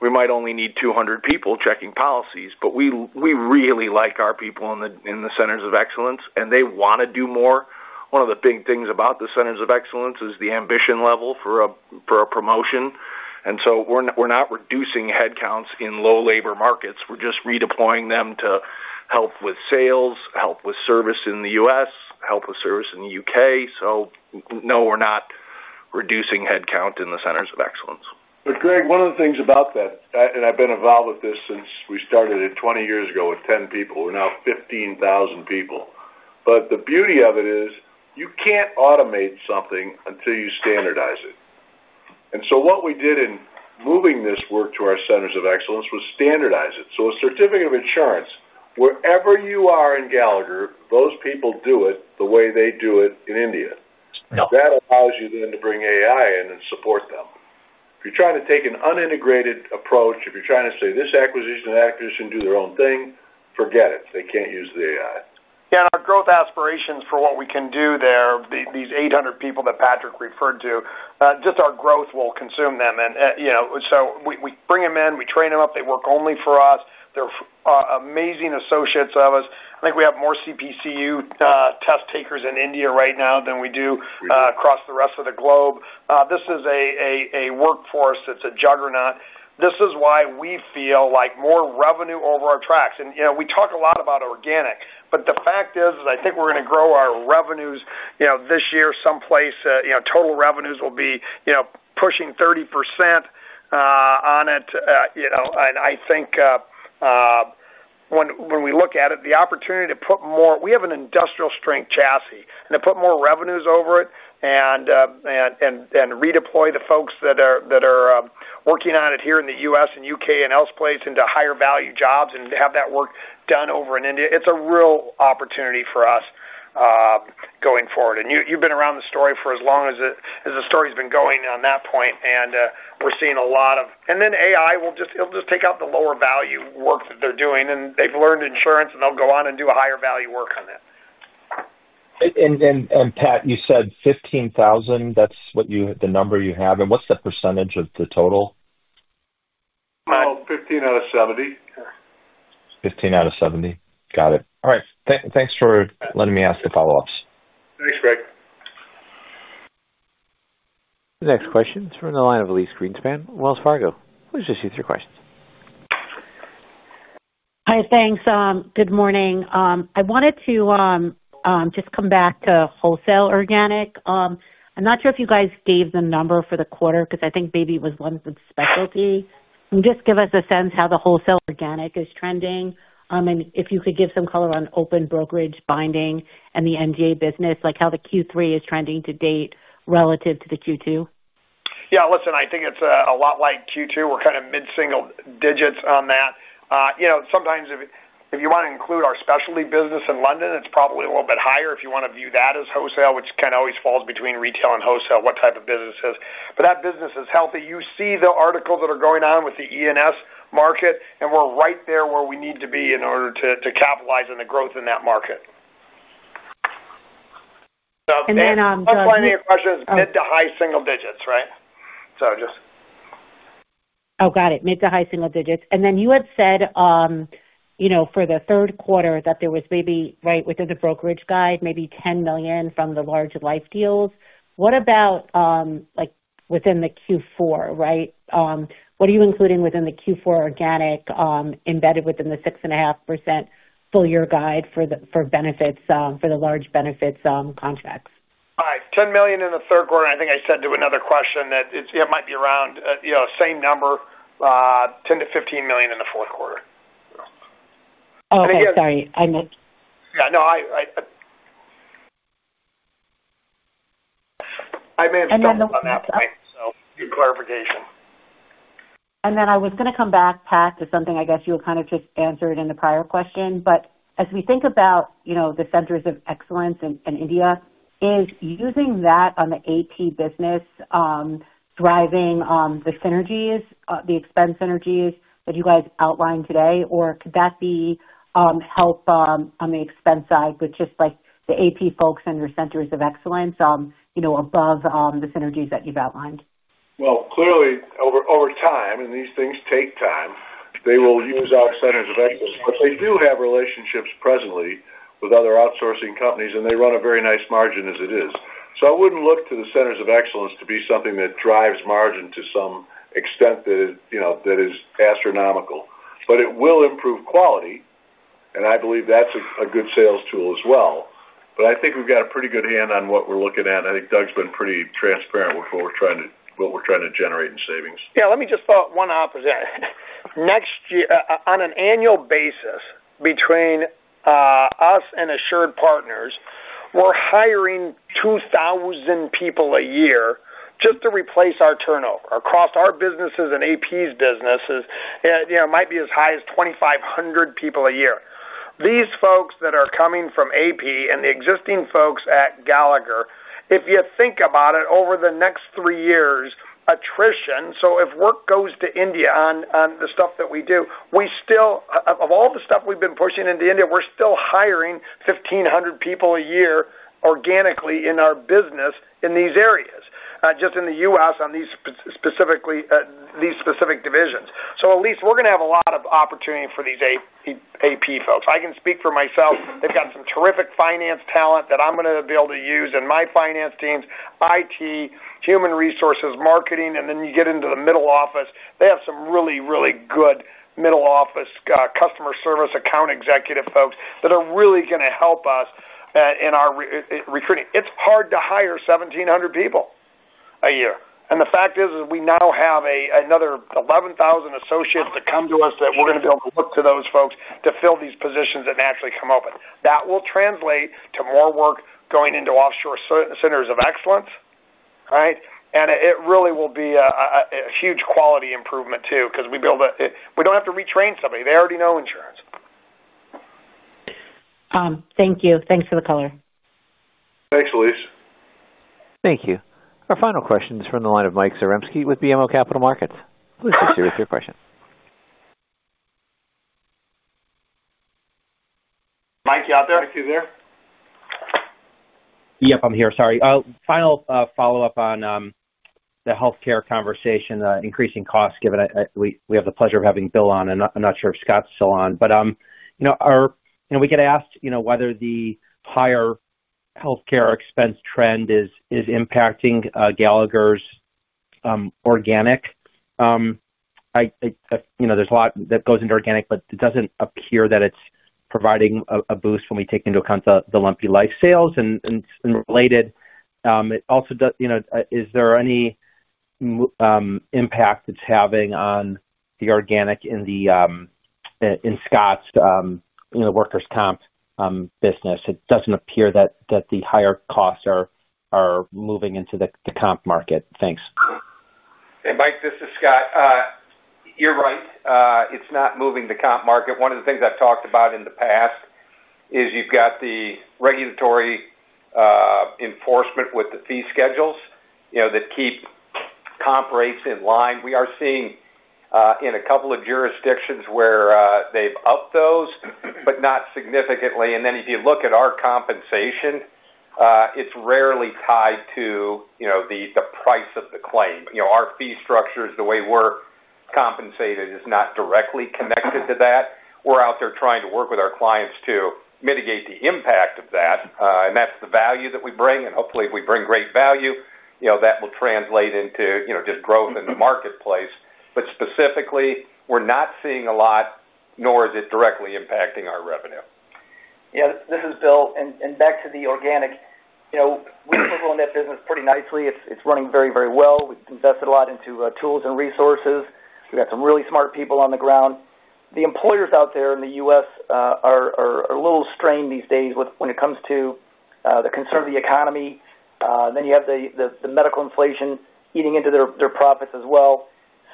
we might only need 200 people checking policies. We really like our people in the Centers of Excellence, and they want to do more. One of the big things about the Centers of Excellence is the ambition level for a promotion. We're not reducing headcounts in low labor markets. We're just redeploying them to help with sales, help with service in the U.S., help with service in the U.K. No, we're not reducing headcount in the Centers of Excellence. One of the things about that, and I've been involved with this since we started it 20 years ago with 10 people, we're now 15,000 people. The beauty of it is you can't automate something until you standardize it. What we did in moving this work to our Centers of Excellence was standardize it. A certificate of insurance, wherever you are in Gallagher, those people do it the way they do it in India. That allows you then to bring AI in and support them. If you're trying to take an unintegrated approach, if you're trying to say this acquisition and acquisition do their own thing, forget it. They can't use the AI. Yeah, and our growth aspirations for what we can do there, these 800 people that Patrick referred to, just our growth will consume them. We bring them in, we train them up, they work only for us. They're amazing associates of us. I think we have more CPCU test takers in India right now than we do across the rest of the globe. This is a workforce that's a juggernaut. This is why we feel like more revenue over our tracks. We talk a lot about organic, but the fact is, I think we're going to grow our revenues this year someplace, total revenues will be pushing 30% on it. I think when we look at it, the opportunity to put more, we have an industrial strength chassis, and to put more revenues over it and redeploy the folks that are working on it here in the U.S. and U.K. and elsewhere into higher value jobs and to have that work done over in India, it's a real opportunity for us going forward. You've been around the story for as long as the story's been going on that point. We're seeing a lot of, and then AI will just, it'll just take out the lower value work that they're doing. They've learned insurance, and they'll go on and do higher value work on that. Pat, you said 15,000, that's what you have. What's the percentage of the total? 15 out of 70. 15 out of 70. Got it. All right, thanks for letting me ask the follow-ups. Thanks, Greg. The next question is from the line of Elise Greenspan at Wells Fargo. Please proceed with your questions. Hi, thanks. Good morning. I wanted to just come back to wholesale organic. I'm not sure if you guys gave the number for the quarter because I think maybe it was one of the specialty. Can you just give us a sense of how the wholesale organic is trending? If you could give some color on open brokerage binding and the MGA business, like how the Q3 is trending to date relative to the Q2? Yeah, listen, I think it's a lot like Q2. We're kind of mid-single digits on that. Sometimes if you want to include our specialty business in London, it's probably a little bit higher if you want to view that as wholesale, which kind of always falls between retail and wholesale, what type of business it is. That business is healthy. You see the articles that are going on with the E&S market, and we're right there where we need to be in order to capitalize on the growth in that market. Just. Plenty of questions, mid to high single digits, right? Oh, got it. Mid to high single digits. You had said, for the third quarter, that there was maybe, right, within the brokerage guide, maybe $10 million from the large life deals. What about, like, within the Q4, right? What are you including within the Q4 organic embedded within the 6.5% full-year guide for the benefits, for the large benefits contracts? All right. $10 million in the third quarter. I think I said to another question that it might be around, you know, same number, $10 to $15 million in the fourth quarter. Oh, sorry. I meant. Yeah, I may have stuck on that point, so good clarification. I was going to come back, Pat, to something I guess you had kind of just answered in the prior question. As we think about the Centers of Excellence in India, is using that on the AssuredPartners business driving the synergies, the expense synergies that you guys outlined today, or could that help on the expense side with just the AssuredPartners folks and your Centers of Excellence above the synergies that you've outlined? Over time, and these things take time, they will use our Centers of Excellence, but they do have relationships presently with other outsourcing companies, and they run a very nice margin as it is. I wouldn't look to the Centers of Excellence to be something that drives margin to some extent that is astronomical. It will improve quality, and I believe that's a good sales tool as well. I think we've got a pretty good hand on what we're looking at. I think Doug's been pretty transparent with what we're trying to generate in savings. Yeah, let me just throw one opposite. Next year, on an annual basis, between us and AssuredPartners, we're hiring 2,000 people a year just to replace our turnover across our businesses and AP's businesses. It might be as high as 2,500 people a year. These folks that are coming from AP and the existing folks at Gallagher, if you think about it, over the next three years, attrition, so if work goes to India on the stuff that we do, we still, of all the stuff we've been pushing into India, we're still hiring 1,500 people a year organically in our business in these areas, not just in the U.S. on these specific divisions. At least we're going to have a lot of opportunity for these AP folks. I can speak for myself. They've got some terrific finance talent that I'm going to be able to use in my finance teams, IT, human resources, marketing, and then you get into the middle office. They have some really, really good middle office customer service account executive folks that are really going to help us in our recruiting. It's hard to hire 1,700 people a year. The fact is, we now have another 11,000 associates that come to us that we're going to be able to look to those folks to fill these positions that naturally come open. That will translate to more work going into offshore Centers of Excellence, all right? It really will be a huge quality improvement too because we build a, we don't have to retrain somebody. They already know insurance. Thank you. Thanks for the color. Thanks, Elise. Thank you. Our final question is from the line of Mike Seremski with BMO Capital Markets. Please proceed with your question. Mike, you out there? Mike, you there? Yep, I'm here. Sorry. Final follow-up on the healthcare conversation, the increasing costs given we have the pleasure of having Bill on, and I'm not sure if Scott's still on. You know, we get asked whether the higher healthcare expense trend is impacting Gallagher's organic. There's a lot that goes into organic, but it doesn't appear that it's providing a boost when we take into account the lumpy life sales and related. Also, is there any impact it's having on the organic in Scott's workers' comp business? It doesn't appear that the higher costs are moving into the comp market. Thanks. Hey, Mike, this is Scott. You're right. It's not moving the comp market. One of the things I've talked about in the past is you've got the regulatory enforcement with the fee schedules that keep comp rates in line. We are seeing in a couple of jurisdictions where they've upped those, but not significantly. If you look at our compensation, it's rarely tied to the price of the claim. Our fee structures, the way we're compensated, is not directly connected to that. We're out there trying to work with our clients to mitigate the impact of that. That's the value that we bring. Hopefully, if we bring great value, that will translate into just growth in the marketplace. Specifically, we're not seeing a lot, nor is it directly impacting our revenue. Yeah, this is Bill. Back to the organic, we've grown that business pretty nicely. It's running very, very well. We've invested a lot into tools and resources. We've got some really smart people on the ground. The employers out there in the U.S. are a little strained these days when it comes to the concern of the economy. You have the medical inflation eating into their profits as well.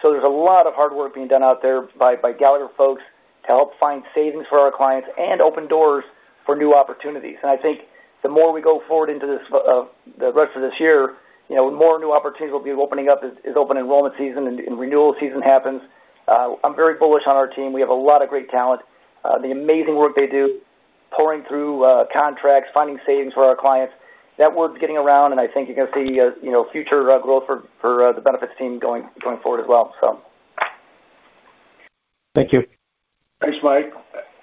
There's a lot of hard work being done out there by Gallagher folks to help find savings for our clients and open doors for new opportunities. I think the more we go forward into the rest of this year, more new opportunities will be opening up as open enrollment season and renewal season happens. I'm very bullish on our team. We have a lot of great talent. The amazing work they do, pouring through contracts, finding savings for our clients, that word's getting around. I think it's the future growth for the benefits team going forward as well. Thank you. Thanks, Mike.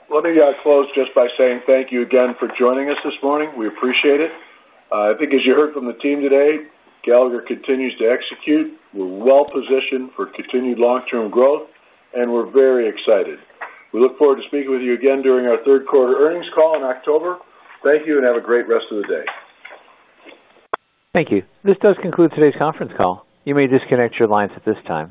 Let me close just by saying thank you again for joining us this morning. We appreciate it. I think as you heard from the team today, Gallagher continues to execute. We're well positioned for continued long-term growth, and we're very excited. We look forward to speaking with you again during our third quarter earnings call in October. Thank you and have a great rest of the day. Thank you. This does conclude today's conference call. You may disconnect your lines at this time.